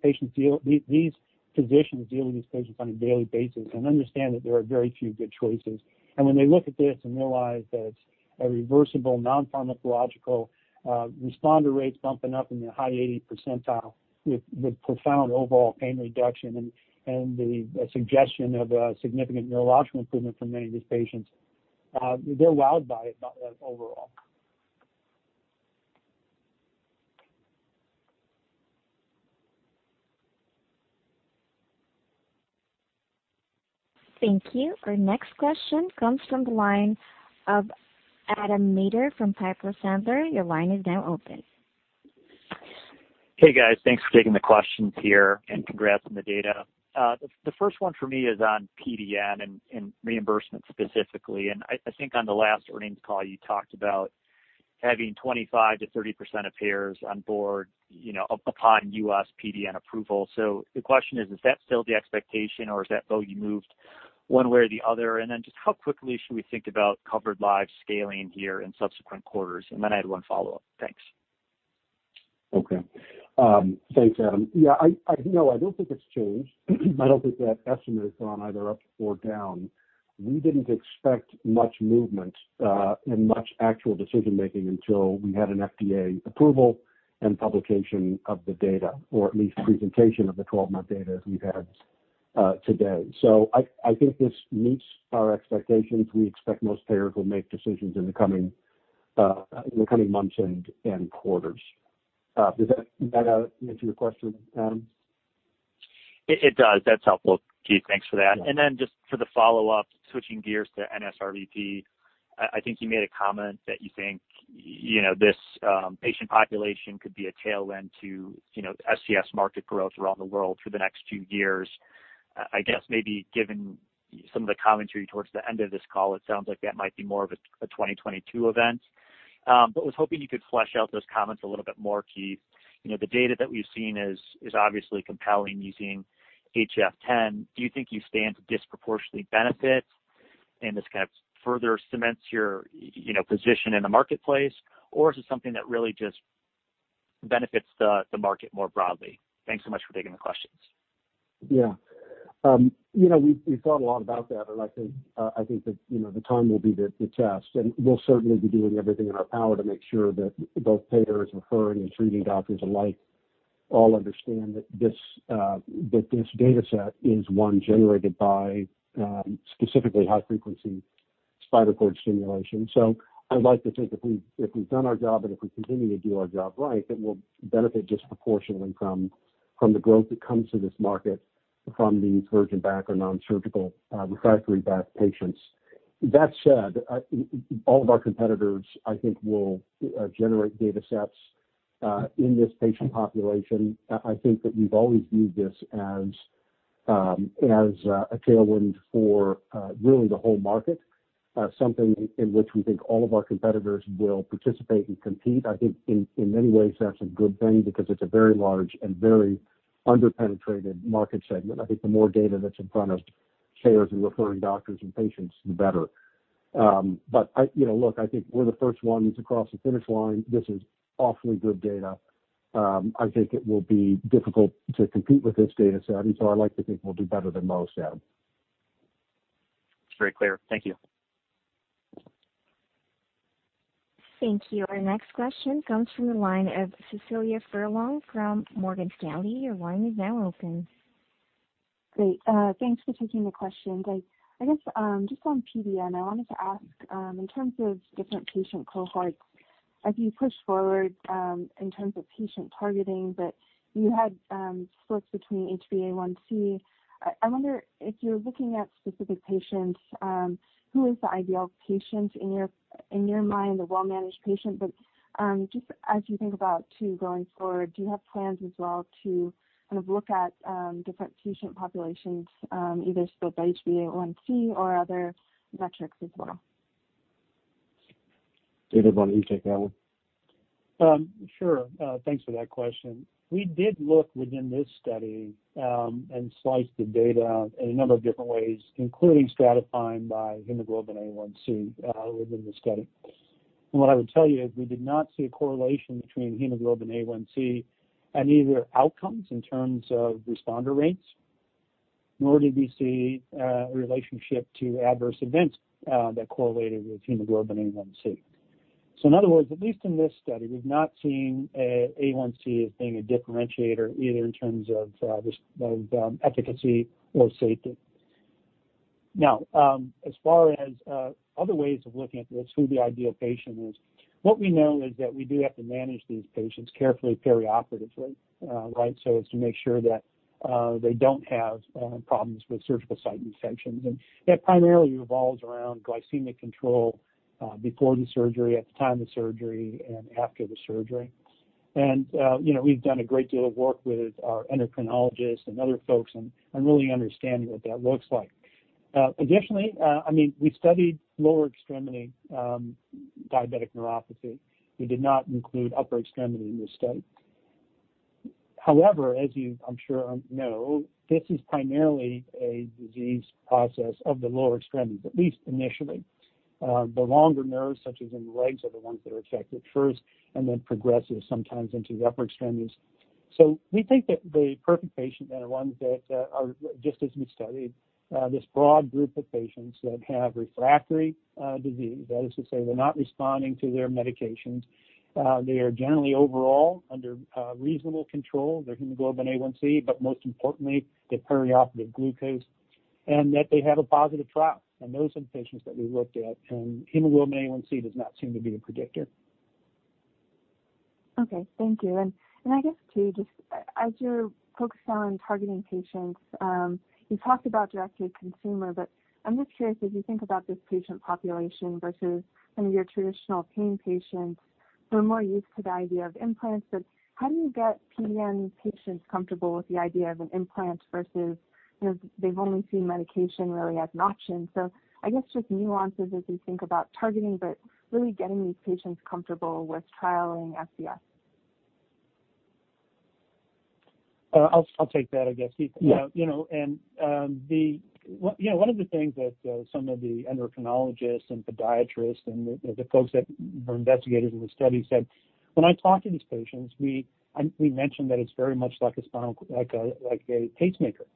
D: physicians deal with these patients on a daily basis and understand that there are very few good choices. When they look at this and realize that it's a reversible, non-pharmacological responder rates bumping up in the high 80 percentile with profound overall pain reduction and the suggestion of a significant neurological improvement for many of these patients, they're wowed by it overall.
A: Thank you. Our next question comes from the line of Adam Maeder from Piper Sandler. Your line is now open.
F: Hey, guys. Thanks for taking the questions here. Congrats on the data. The first one for me is on PDN and reimbursement specifically. I think on the last earnings call, you talked about having 25%-30% of payers on board upon U.S. PDN approval. The question is that still the expectation, or has that bogey moved one way or the other? Just how quickly should we think about covered lives scaling here in subsequent quarters? I had one follow-up. Thanks.
C: Okay. Thanks, Adam. Yeah, no, I don't think it's changed. I don't think that estimate has gone either up or down. We didn't expect much movement and much actual decision-making until we had an FDA approval and publication of the data, or at least presentation of the 12-month data as we've had today. I think this meets our expectations. We expect most payers will make decisions in the coming months and quarters. Does that answer your question, Adam?
F: It does. That's helpful, Keith. Thanks for that.
C: Yeah.
F: Just for the follow-up, switching gears to NSRBP, I think you made a comment that you think this patient population could be a tailwind to SCS market growth around the world for the next few years. I guess maybe given some of the commentary towards the end of this call, it sounds like that might be more of a 2022 event. Was hoping you could flesh out those comments a little bit more, Keith. The data that we've seen is obviously compelling using HF10. Do you think you stand to disproportionately benefit, and this kind of further cements your position in the marketplace, or is it something that really just benefits the market more broadly? Thanks so much for taking the questions.
C: We've thought a lot about that, I think that the time will be the test. We'll certainly be doing everything in our power to make sure that both payers, referring, and treating doctors alike all understand that this data set is one generated by specifically high-frequency spinal cord stimulation. I'd like to think if we've done our job, and if we continue to do our job right, that we'll benefit disproportionately from the growth that comes to this market from these virgin back or Non-Surgical Refractory Back patients. That said, all of our competitors, I think, will generate data sets in this patient population. I think that we've always viewed this as a tailwind for really the whole market. Something in which we think all of our competitors will participate and compete. I think in many ways, that's a good thing because it's a very large and very under-penetrated market segment. I think the more data that's in front of payers and referring doctors and patients, the better. Look, I think we're the first ones across the finish line. This is awfully good data. I think it will be difficult to compete with this data set, and so I like to think we'll do better than most, Adam.
F: It's very clear. Thank you.
A: Thank you. Our next question comes from the line of Cecilia Furlong from Morgan Stanley. Your line is now open.
G: Great. Thanks for taking the questions. I guess, just on PDN, I wanted to ask, in terms of different patient cohorts, as you push forward, in terms of patient targeting, but you had splits between HbA1c. I wonder if you're looking at specific patients, who is the ideal patient in your mind, the well-managed patient? Just as you think about too going forward, do you have plans as well to kind of look at different patient populations, either split by HbA1c or other metrics as well?
C: David, why don't you take that one?
D: Sure. Thanks for that question. We did look within this study, and slice the data a number of different ways, including stratifying by hemoglobin A1c within the study. What I would tell you is we did not see a correlation between hemoglobin A1c and either outcomes in terms of responder rates, nor did we see a relationship to adverse events that correlated with hemoglobin A1c . In other words, at least in this study, we've not seen A1c as being a differentiator either in terms of efficacy or safety. Now, as far as other ways of looking at this, who the ideal patient is. What we know is that we do have to manage these patients carefully perioperatively. As to make sure that they don't have problems with surgical site infections. That primarily revolves around glycemic control before the surgery, at the time of surgery, and after the surgery. We've done a great deal of work with our endocrinologists and other folks and really understanding what that looks like. Additionally, we studied lower extremity diabetic neuropathy. We did not include upper extremity in this study. However, as you I'm sure know, this is primarily a disease process of the lower extremities, at least initially. The longer nerves, such as in the legs, are the ones that are affected first, and then progresses sometimes into the upper extremities. We think that the perfect patient are the ones that are just as we studied, this broad group of patients that have refractory disease. That is to say, they're not responding to their medications. They are generally overall under reasonable control, their hemoglobin A1c, but most importantly, their perioperative glucose, and that they have a positive trial. Those are the patients that we looked at, and hemoglobin A1c does not seem to be a predictor.
G: Okay. Thank you. I guess, too, just as you're focused on targeting patients, you talked about directly to consumer, but I'm just curious if you think about this patient population versus some of your traditional pain patients who are more used to the idea of implants, but how do you get PDN patients comfortable with the idea of an implant versus, they've only seen medication really as an option. I guess just nuances as we think about targeting, but really getting these patients comfortable with trialing SCS.
D: I'll take that, I guess.
C: Yeah.
D: One of the things that some of the endocrinologists and podiatrists and the folks that are investigators in the study said, "When I talk to these patients, we mention that it's very much like a pacemaker."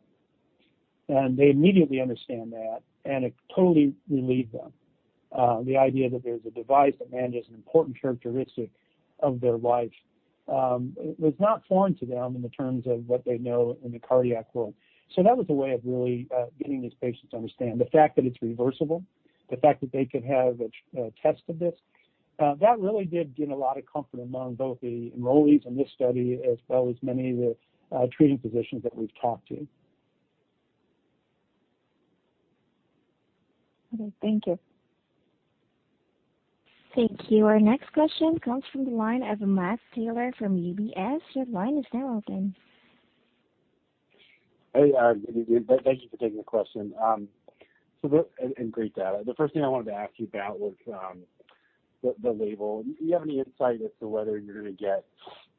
D: They immediately understand that, and it totally relieved them. The idea that there's a device that manages an important characteristic of their life was not foreign to them in the terms of what they know in the cardiac world. That was a way of really getting these patients to understand. The fact that it's reversible, the fact that they could have a test of this, that really did give a lot of comfort among both the enrollees in this study, as well as many of the treating physicians that we've talked to.
G: Okay. Thank you.
A: Thank you. Our next question comes from the line of Matt Taylor from UBS. Your line is now open.
H: Hey, good evening. Thank you for taking the question. Great data. The first thing I wanted to ask you about was the label. Do you have any insight as to whether you're going to get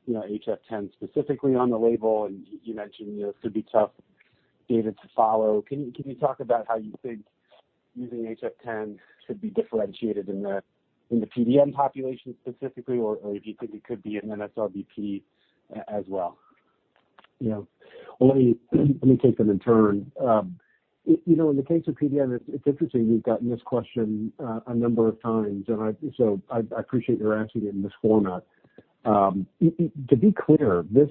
H: HF10 specifically on the label? You mentioned this could be tough data to follow. Can you talk about how you think using HF10 could be differentiated in the PDN population specifically, or if you think it could be in NSRBP as well?
C: Well, let me take them in turn. In the case of PDN, it's interesting, we've gotten this question a number of times, I appreciate your asking it in this format. To be clear, this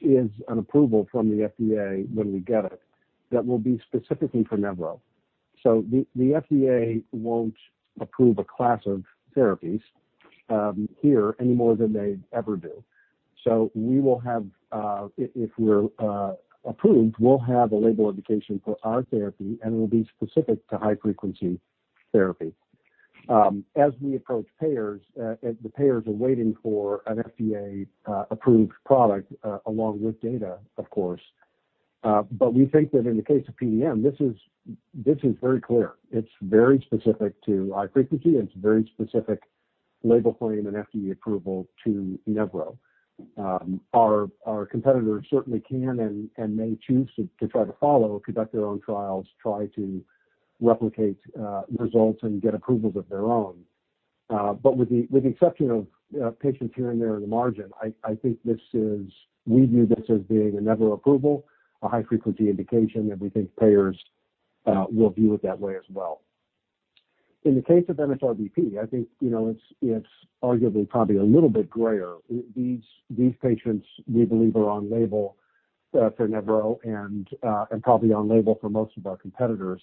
C: is an approval from the FDA when we get it that will be specifically for Nevro. The FDA won't approve a class of therapies here any more than they ever do. If we're approved, we'll have a label indication for our therapy, and it'll be specific to high-frequency therapy. As we approach payers, the payers are waiting for an FDA-approved product along with data, of course. We think that in the case of PDN, this is very clear. It's very specific to high frequency, and it's a very specific label claim and FDA approval to Nevro. Our competitors certainly can and may choose to try to follow, conduct their own trials, try to replicate results, and get approvals of their own. With the exception of patients here and there in the margin, I think we view this as being a Nevro approval, a high-frequency indication, and we think payers will view it that way as well. In the case of NSRBP, I think it's arguably probably a little bit grayer. These patients, we believe, are on label for Nevro and probably on label for most of our competitors.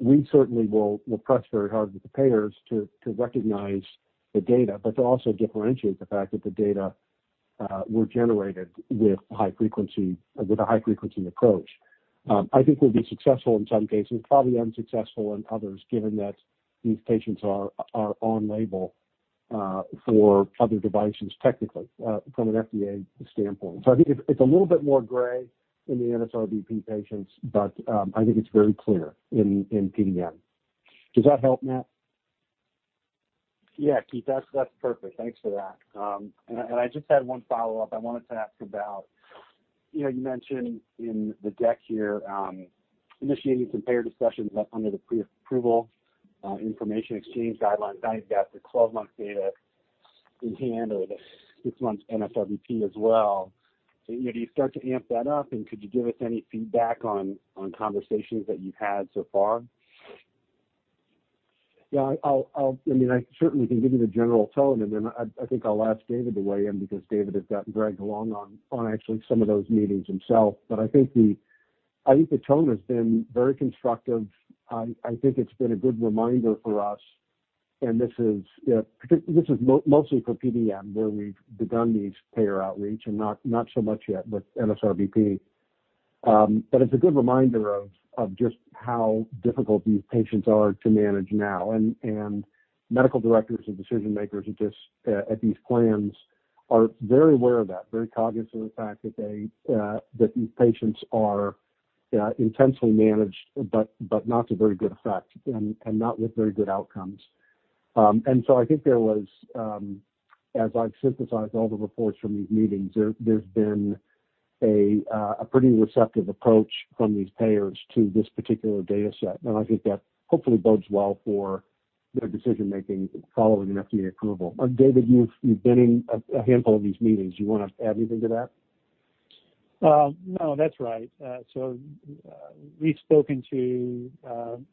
C: We certainly will press very hard with the payers to recognize the data, but to also differentiate the fact that the data were generated with a high-frequency approach. I think we'll be successful in some cases, probably unsuccessful in others, given that these patients are on label for other devices technically from an FDA standpoint. I think it's a little bit more gray in the NSRBP patients, but I think it's very clear in PDN. Does that help, Matt?
H: Yeah, Keith, that's perfect. Thanks for that. I just had one follow-up I wanted to ask about. You mentioned in the deck here initiating some payer discussions under the pre-approval information exchange guidelines. Now you've got the 12-month data in hand or the six-month NSRBP as well. Do you start to amp that up, and could you give us any feedback on conversations that you've had so far?
C: Yeah. I certainly can give you the general tone, and then I think I'll ask David to weigh in because David has gotten dragged along on actually some of those meetings himself. I think the tone has been very constructive. I think it's been a good reminder for us, and this is mostly for PDN, where we've begun these payer outreach and not so much yet with NSRBP. It's a good reminder of just how difficult these patients are to manage now, and medical directors and decision makers at these plans are very aware of that, very cognizant of the fact that these patients are intensely managed, but not to very good effect and not with very good outcomes. I think there was, as I've synthesized all the reports from these meetings, there's been a pretty receptive approach from these payers to this particular data set. I think that hopefully bodes well for their decision-making following an FDA approval. David, you've been in a handful of these meetings. You want to add anything to that?
D: No, that's right. We've spoken to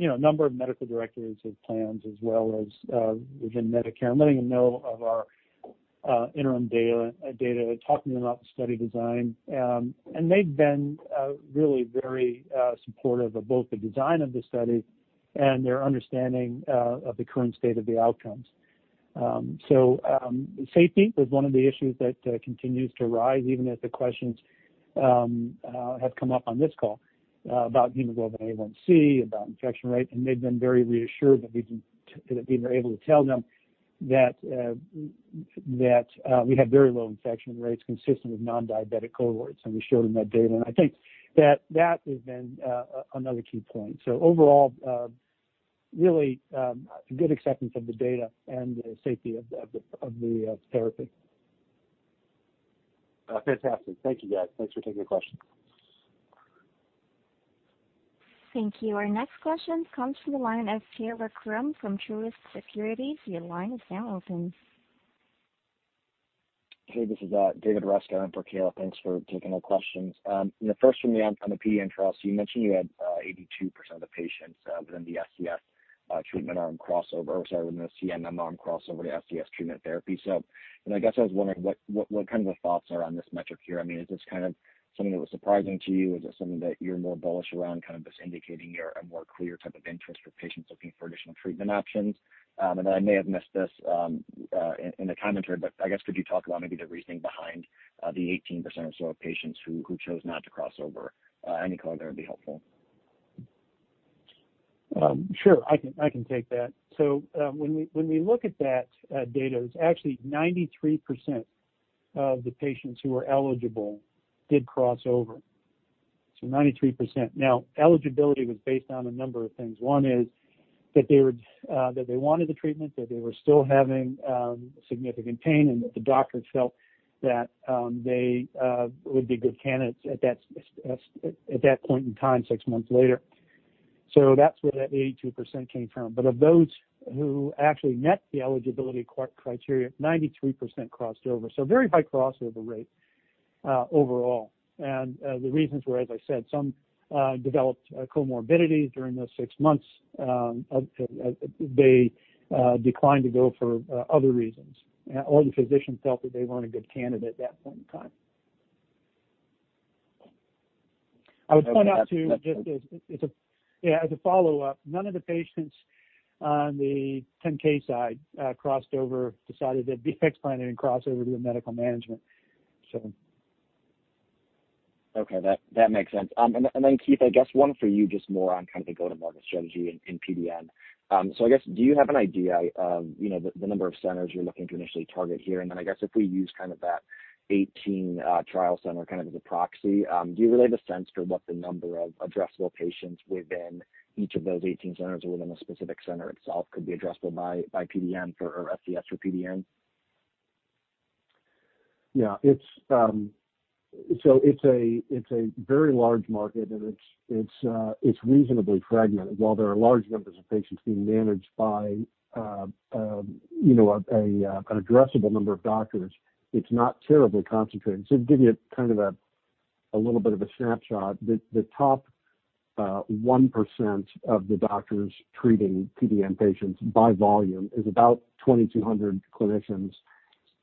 D: a number of medical directors of plans as well as within Medicare, and letting them know of our interim data, talking about the study design. They've been really very supportive of both the design of the study and their understanding of the current state of the outcomes. Safety was one of the issues that continues to rise, even as the questions have come up on this call about hemoglobin A1c, about infection rate, and they've been very reassured that we were able to tell them that we have very low infection rates consistent with non-diabetic cohorts, and we showed them that data, and I think that has been another key point. Overall, really good acceptance of the data and the safety of the therapy.
H: Fantastic. Thank you, guys. Thanks for taking the questions.
A: Thank you. Our next question comes from the line of Kaila Krum from Truist Securities. Your line is now open.
I: This is David Rescott in for Kaila. Thanks for taking our questions. The first from me on the PDN trial. You mentioned you had 82% of the patients, sorry, within the CMM arm crossover to SCS treatment therapy. I guess I was wondering what the thoughts are on this metric here. I mean, is this something that was surprising to you? Is it something that you're more bullish around, kind of just indicating a more clear type of interest for patients looking for additional treatment options? I may have missed this in the commentary, I guess could you talk about maybe the reasoning behind the 18% or so of patients who chose not to cross over? Any color there would be helpful.
D: Sure, I can take that. When we look at that data, it's actually 93% of the patients who were eligible did cross over. 93%. Now, eligibility was based on a number of things. One is that they wanted the treatment, that they were still having significant pain, and that the doctors felt that they would be good candidates at that point in time, six months later. That's where that 82% came from. Of those who actually met the eligibility criteria, 93% crossed over. Very high crossover rate overall. The reasons were, as I said, some developed comorbidities during those six months. They declined to go for other reasons, or the physician felt that they weren't a good candidate at that point in time. I would point out, too, just as a follow-up, none of the patients on the 10 kHz side crossed over, decided they'd be implanted and cross over to the medical management.
I: Okay. That makes sense. Keith, I guess one for you, just more on kind of the go-to-market strategy in PDN. I guess, do you have an idea of the number of centers you're looking to initially target here? I guess if we use that 18 trial center kind of as a proxy, do you have a sense for what the number of addressable patients within each of those 18 centers or within a specific center itself could be addressable by PDN for SCS or PDN?
C: Yeah. It's a very large market, and it's reasonably fragmented. While there are large numbers of patients being managed by an addressable number of doctors, it's not terribly concentrated. To give you a little bit of a snapshot, the top 1% of the doctors treating PDN patients by volume is about 2,200 clinicians,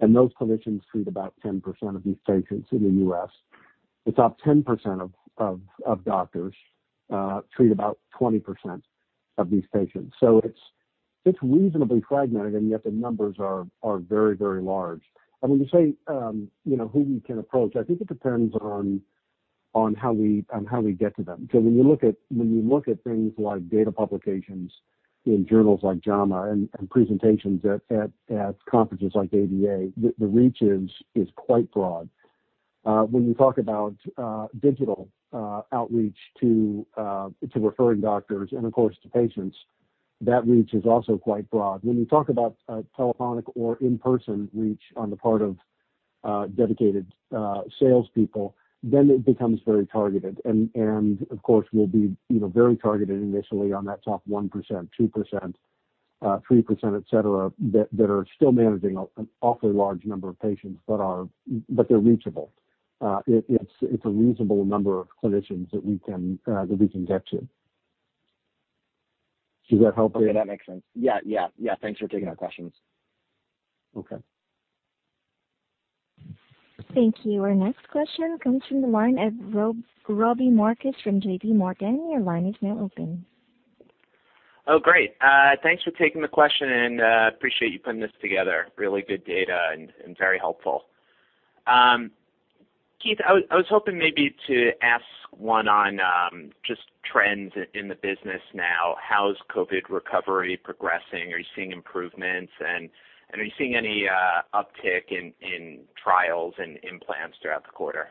C: and those clinicians treat about 10% of these patients in the U.S. It's about 10% of doctors treat about 20% of these patients. It's reasonably fragmented, and yet the numbers are very large. When you say who we can approach, I think it depends on how we get to them. Because when you look at things like data publications in journals like JAMA and presentations at conferences like ADA, the reach is quite broad. When you talk about digital outreach to referring doctors and, of course, to patients, that reach is also quite broad. When you talk about telephonic or in-person reach on the part of dedicated salespeople, then it becomes very targeted. Of course, we'll be very targeted initially on that top 1%, 2%, 3%, et cetera, that are still managing an awfully large number of patients, but they're reachable. It's a reasonable number of clinicians that we can get to. Does that help?
I: Okay. That makes sense. Yeah. Thanks for taking our questions.
C: Okay.
A: Thank you. Our next question comes from the line of Robbie Marcus from JPMorgan. Your line is now open.
J: Great. Thanks for taking the question and appreciate you putting this together. Really good data and very helpful. Keith, I was hoping maybe to ask one on just trends in the business now. How's COVID recovery progressing? Are you seeing improvements? Are you seeing any uptick in trials and implants throughout the quarter?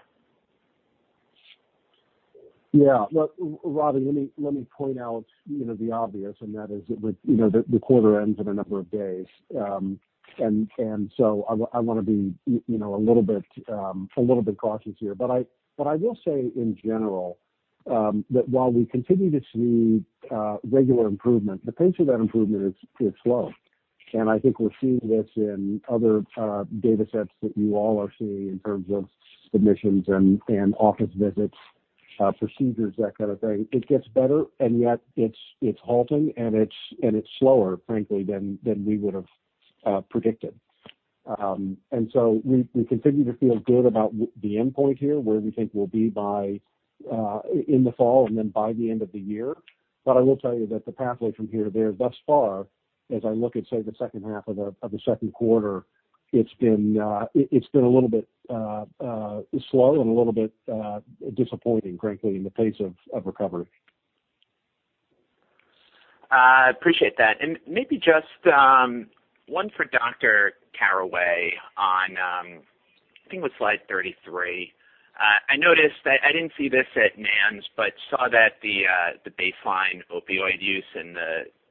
C: Yeah. Look, Robbie, let me point out the obvious, and that is that the quarter ends in a number of days. I want to be a little bit cautious here, but I will say in general, that while we continue to see regular improvement, the pace of that improvement is slow. I think we're seeing this in other data sets that you all are seeing in terms of submissions and office visits, procedures, that kind of thing. It gets better and yet it's halting and it's slower, frankly, than we would've predicted. We continue to feel good about the endpoint here, where we think we'll be by in the fall and then by the end of the year. I will tell you that the pathway from here to there thus far, as I look at, say, the second half of the second quarter, it's been a little bit slow and a little bit disappointing, frankly, in the pace of recovery.
J: I appreciate that. Maybe just one for Dr. Caraway on, I think it was slide 33. I noticed that I didn't see this at NANS, but saw that the baseline opioid use in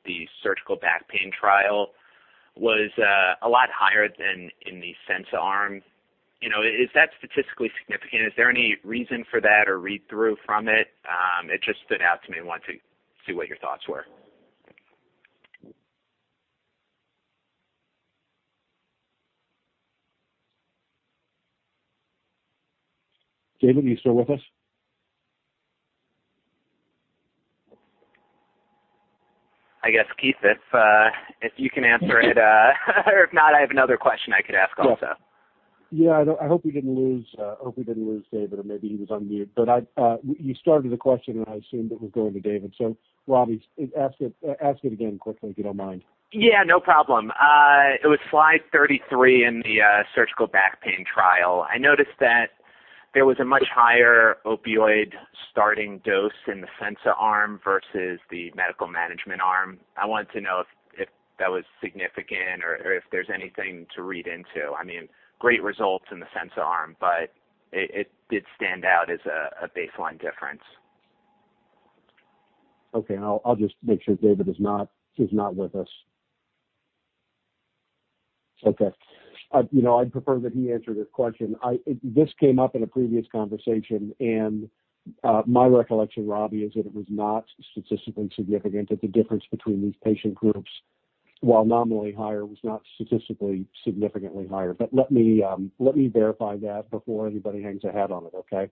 J: the surgical back pain trial was a lot higher than in the SENZA arm. Is that statistically significant? Is there any reason for that or read-through from it? It just stood out to me and wanted to see what your thoughts were.
C: David, are you still with us?
J: I guess, Keith, if you can answer it. If not, I have another question I could ask also.
C: Yeah. I hope we didn't lose David, or maybe he was on mute. You started the question, and I assumed it was going to David. Robbie, ask it again quickly, if you don't mind.
J: Yeah, no problem. It was slide 33 in the surgical back pain trial. I noticed that there was a much higher opioid starting dose in the SENZA arm versus the medical management arm. I wanted to know if that was significant or if there's anything to read into. Great results in the SENZA arm, but it did stand out as a baseline difference.
C: Okay. I'll just make sure David is not with us. Okay. I'd prefer that he answer this question. This came up in a previous conversation, my recollection, Robbie, is that it was not statistically significant, that the difference between these patient groups, while nominally higher, was not statistically significantly higher. Let me verify that before anybody hangs a hat on it, okay?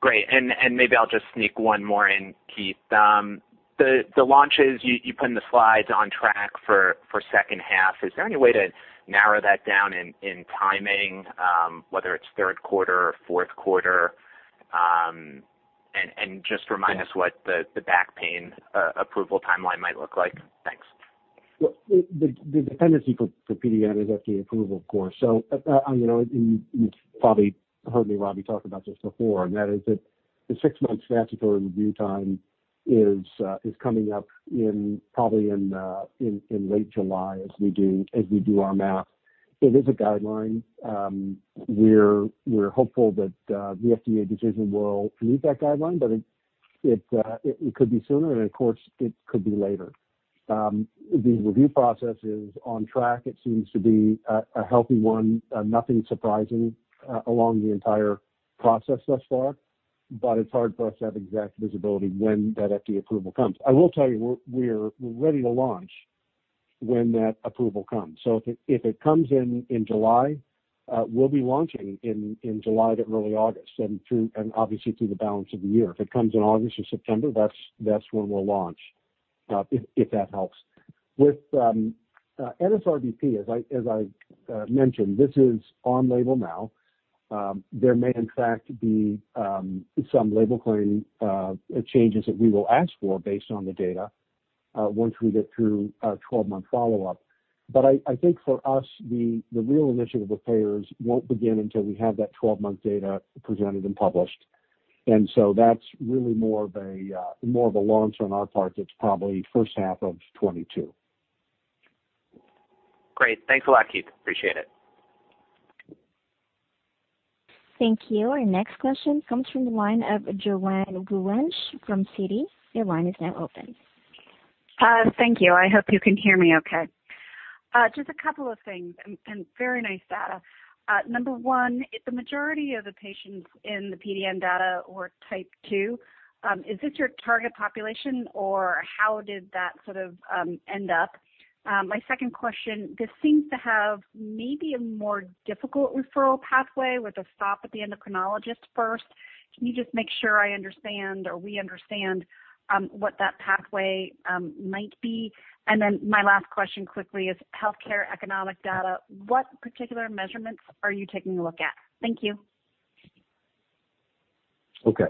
J: Great. Maybe I'll just sneak one more in, Keith. The launches, you put in the slides on track for second half. Is there any way to narrow that down in timing, whether it's third quarter or fourth quarter? Just remind us what the back pain approval timeline might look like. Thanks.
C: Well, the dependency for PDN is FDA approval, of course. You've probably heard me, Robbie, talk about this before, and that is that the six-month statutory review time is coming up probably in late July as we do our math. It is a guideline. We're hopeful that the FDA decision will meet that guideline, it could be sooner and, of course, it could be later. The review process is on track. It seems to be a healthy one. Nothing surprising along the entire process thus far, it's hard for us to have exact visibility when that FDA approval comes. I will tell you we're ready to launch when that approval comes. If it comes in July, we'll be launching in July to early August and obviously through the balance of the year. If it comes in August or September, that's when we'll launch. If that helps. With NSRBP, as I mentioned, this is on label now. There may in fact be some label claim changes that we will ask for based on the data, once we get through our 12-month follow-up. I think for us, the real initiative with payers won't begin until we have that 12-month data presented and published. That's really more of a launch on our part that's probably first half of 2022.
J: Great. Thanks a lot, Keith. Appreciate it.
A: Thank you. Our next question comes from the line of Joanne Wuensch from Citi. Your line is now open.
K: Thank you. I hope you can hear me okay. Just a couple of things. Very nice data. Number one, if the majority of the patients in the PDN data were type 2, is this your target population or how did that sort of end up? My second question, this seems to have maybe a more difficult referral pathway with a stop at the endocrinologist first. Can you just make sure I understand, or we understand, what that pathway might be? My last question quickly is healthcare economic data. What particular measurements are you taking a look at? Thank you.
C: Okay.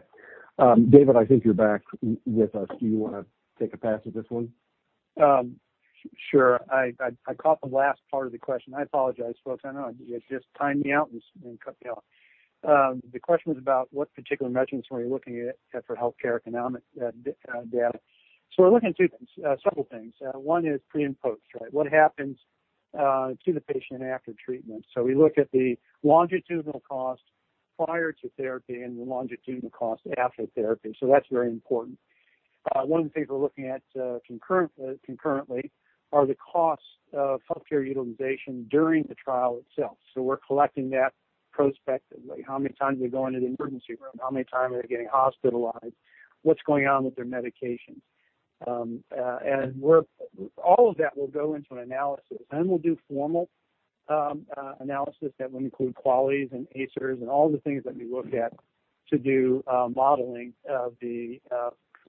C: David, I think you're back with us. Do you want to take a pass at this one?
D: Sure. I caught the last part of the question. I apologize, folks. I know it just timed me out and cut me off. The question was about what particular measurements were you looking at for healthcare economic data. We're looking at two things, several things. One is pre and post, right? What happens to the patient after treatment? We look at the longitudinal cost prior to therapy and the longitudinal cost after therapy. That's very important. One of the things we're looking at concurrently are the costs of healthcare utilization during the trial itself. We're collecting that prospectively. How many times are they going to the emergency room? How many times are they getting hospitalized? What's going on with their medications? All of that will go into an analysis. We'll do formal analysis that will include QALYs and ICERs and all the things that we look at to do modeling of the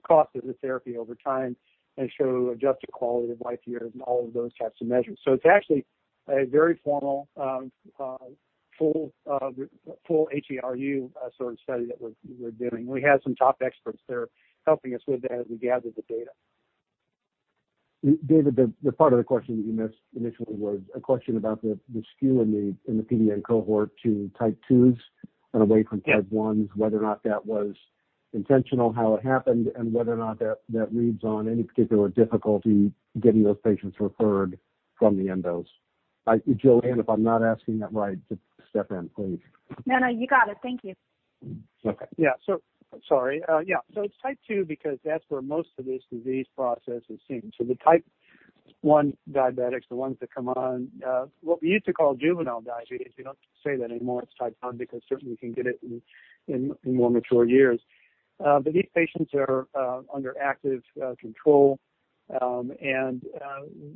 D: cost of the therapy over time and show adjusted quality of life years and all of those types of measures. It's actually a very formal full HEOR sort of study that we're doing. We have some top experts that are helping us with that as we gather the data.
C: David, the part of the question that you missed initially was a question about the skew in the PDN cohort to type 2s and away from type 1s. Whether or not that was intentional, how it happened, and whether or not that reads on any particular difficulty getting those patients referred from the endos. Joanne, if I'm not asking that right, just step in, please.
K: No, you got it. Thank you.
C: Okay.
D: Yeah. Sorry. Yeah. It's type 2 because that's where most of this disease process is seen. The type 1 diabetics, the ones that come on, what we used to call juvenile diabetes, we don't say that anymore. It's type 1 because certainly you can get it in more mature years. These patients are under active control.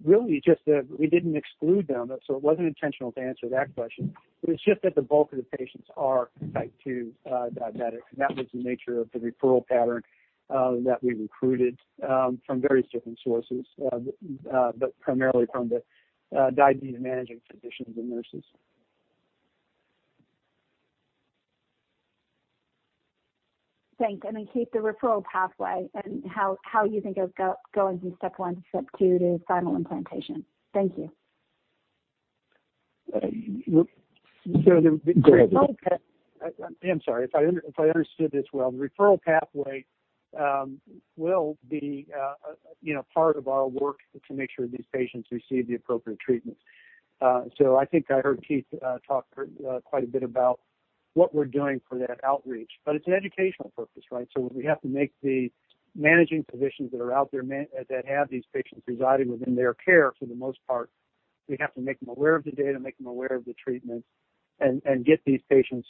D: Really just that we didn't exclude them. It wasn't intentional to answer that question, but it's just that the bulk of the patients are type 2 diabetics, and that was the nature of the referral pattern that we recruited from various different sources but primarily from the diabetes managing physicians and nurses.
K: Thanks. Keith, the referral pathway and how you think of going from step one to step two to final implantation. Thank you.
D: So the-
C: Go ahead.
D: I'm sorry. If I understood this well, the referral pathway will be part of our work to make sure these patients receive the appropriate treatment. I think I heard Keith talk quite a bit about what we're doing for that outreach. It's an educational purpose, right? We have to make the managing physicians that are out there that have these patients residing within their care for the most part, we have to make them aware of the data, make them aware of the treatments, and get these patients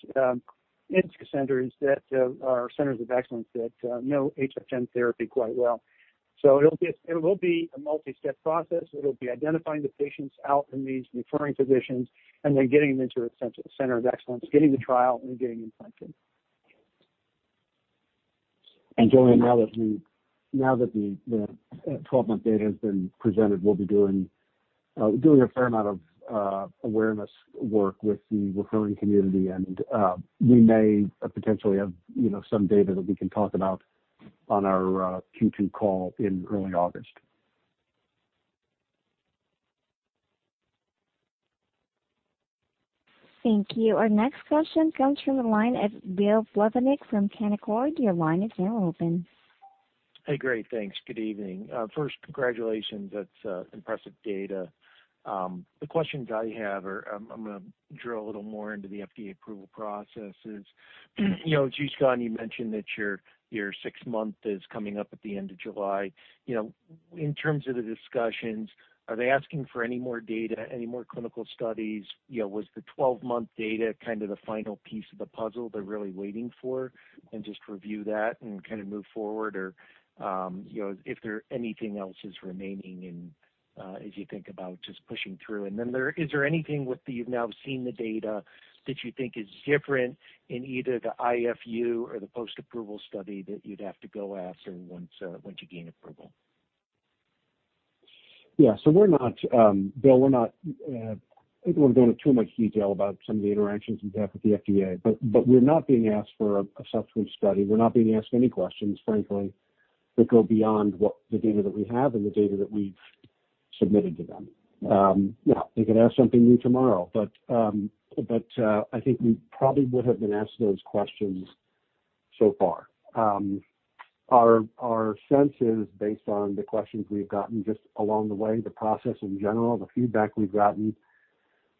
D: into centers that are centers of excellence that know HF10 therapy quite well. It will be a multistep process. It'll be identifying the patients out in these referring physicians, and then getting them into a center of excellence, getting the trial, and getting implanted.
C: Joanne, now that the 12-month data has been presented, we'll be doing a fair amount of awareness work with the referring community. We may potentially have some data that we can talk about on our Q2 call in early August.
A: Thank you. Our next question comes from the line of Bill Plovanic from Canaccord. Your line is now open.
L: Hey, great. Thanks. Good evening. First, congratulations. That's impressive data. The questions I have, I'm going to drill a little more into the FDA approval processes. You know Keith, you mentioned that your six month is coming up at the end of July. In terms of the discussions, are they asking for any more data, any more clinical studies? Was the 12-month data kind of the final piece of the puzzle they're really waiting for and just review that and kind of move forward? If there anything else is remaining in as you think about just pushing through. Is there anything with the, you've now seen the data that you think is different in either the IFU or the post-approval study that you'd have to go after once you gain approval?
C: Yeah. Bill, I think we'll go into too much detail about some of the interactions we've had with the FDA. We're not being asked for a subsequent study. We're not being asked any questions, frankly, that go beyond what the data that we have and the data that we've submitted to them. They could ask something new tomorrow, but I think we probably would have been asked those questions so far. Our sense is based on the questions we've gotten just along the way, the process in general, the feedback we've gotten,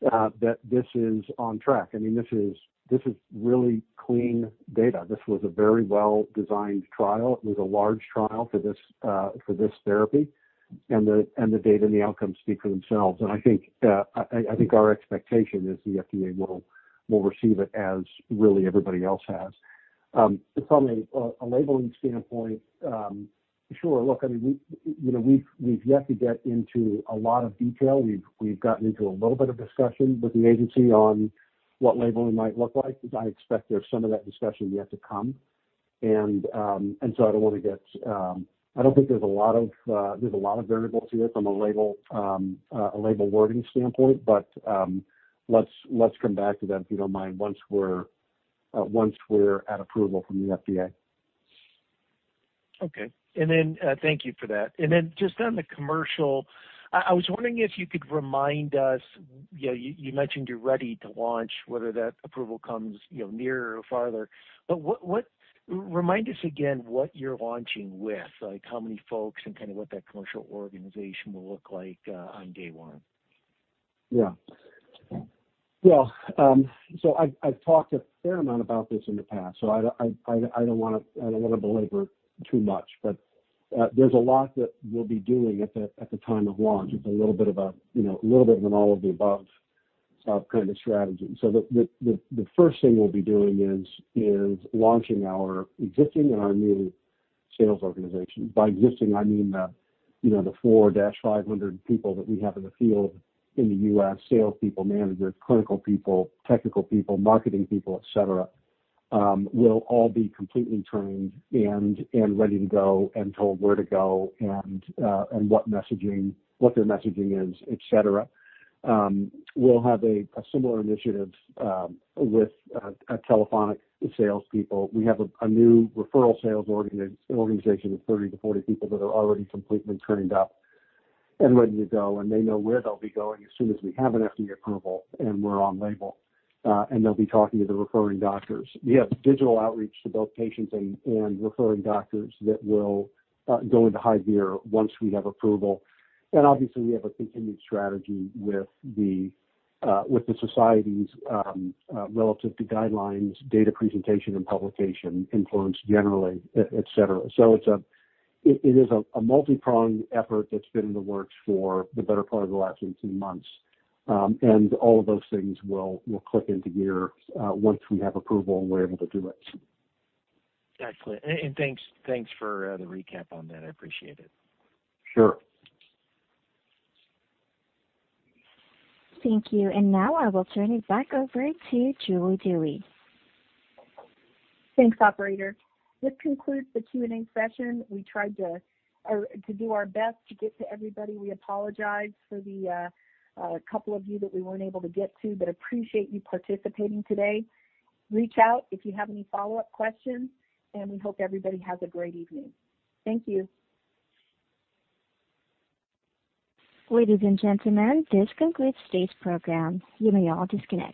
C: that this is on track. This is really clean data. This was a very well-designed trial. It was a large trial for this therapy. The data and the outcomes speak for themselves. I think our expectation is the FDA will receive it as really everybody else has. From a labeling standpoint, sure. Look, we've yet to get into a lot of detail. We've gotten into a little bit of discussion with the agency on what labeling might look like. I expect there's some of that discussion yet to come. I don't think there's a lot of variables here from a label wording standpoint, but let's come back to that, if you don't mind, once we're at approval from the FDA.
L: Okay. Thank you for that. Just on the commercial, I was wondering if you could remind us, you mentioned you're ready to launch whether that approval comes nearer or farther, remind us again what you're launching with, like how many folks and what that commercial organization will look like on day one?
C: Yeah. I've talked a fair amount about this in the past, so I don't want to belabor too much, but there's a lot that we'll be doing at the time of launch. It's a little bit of an all of the above kind of strategy. The first thing we'll be doing is launching our existing and our new sales organization. By existing, I mean the 400-500 people that we have in the field in the U.S., sales people, managers, clinical people, technical people, marketing people, et cetera, will all be completely trained and ready to go and told where to go and what their messaging is, et cetera. We'll have a similar initiative with telephonic salespeople. We have a new referral sales organization of 30-40 people that are already completely trained up and ready to go. They know where they'll be going as soon as we have an FDA approval and we're on label. They'll be talking to the referring doctors. We have digital outreach to both patients and referring doctors that will go into high gear once we have approval. Obviously, we have a continued strategy with the societies relative to guidelines, data presentation, and publication influence generally, et cetera. It is a multi-pronged effort that's been in the works for the better part of the last 18 months. All of those things will click into gear once we have approval and we're able to do it.
L: Excellent. Thanks for the recap on that. I appreciate it.
C: Sure.
A: Thank you. Now I will turn it back over to Julie Dewey.
B: Thanks, operator. This concludes the Q&A session. We tried to do our best to get to everybody. We apologize for the couple of you that we weren't able to get to, but appreciate you participating today. Reach out if you have any follow-up questions, and we hope everybody has a great evening. Thank you.
A: Ladies and gentlemen, this concludes today's program. You may all disconnect.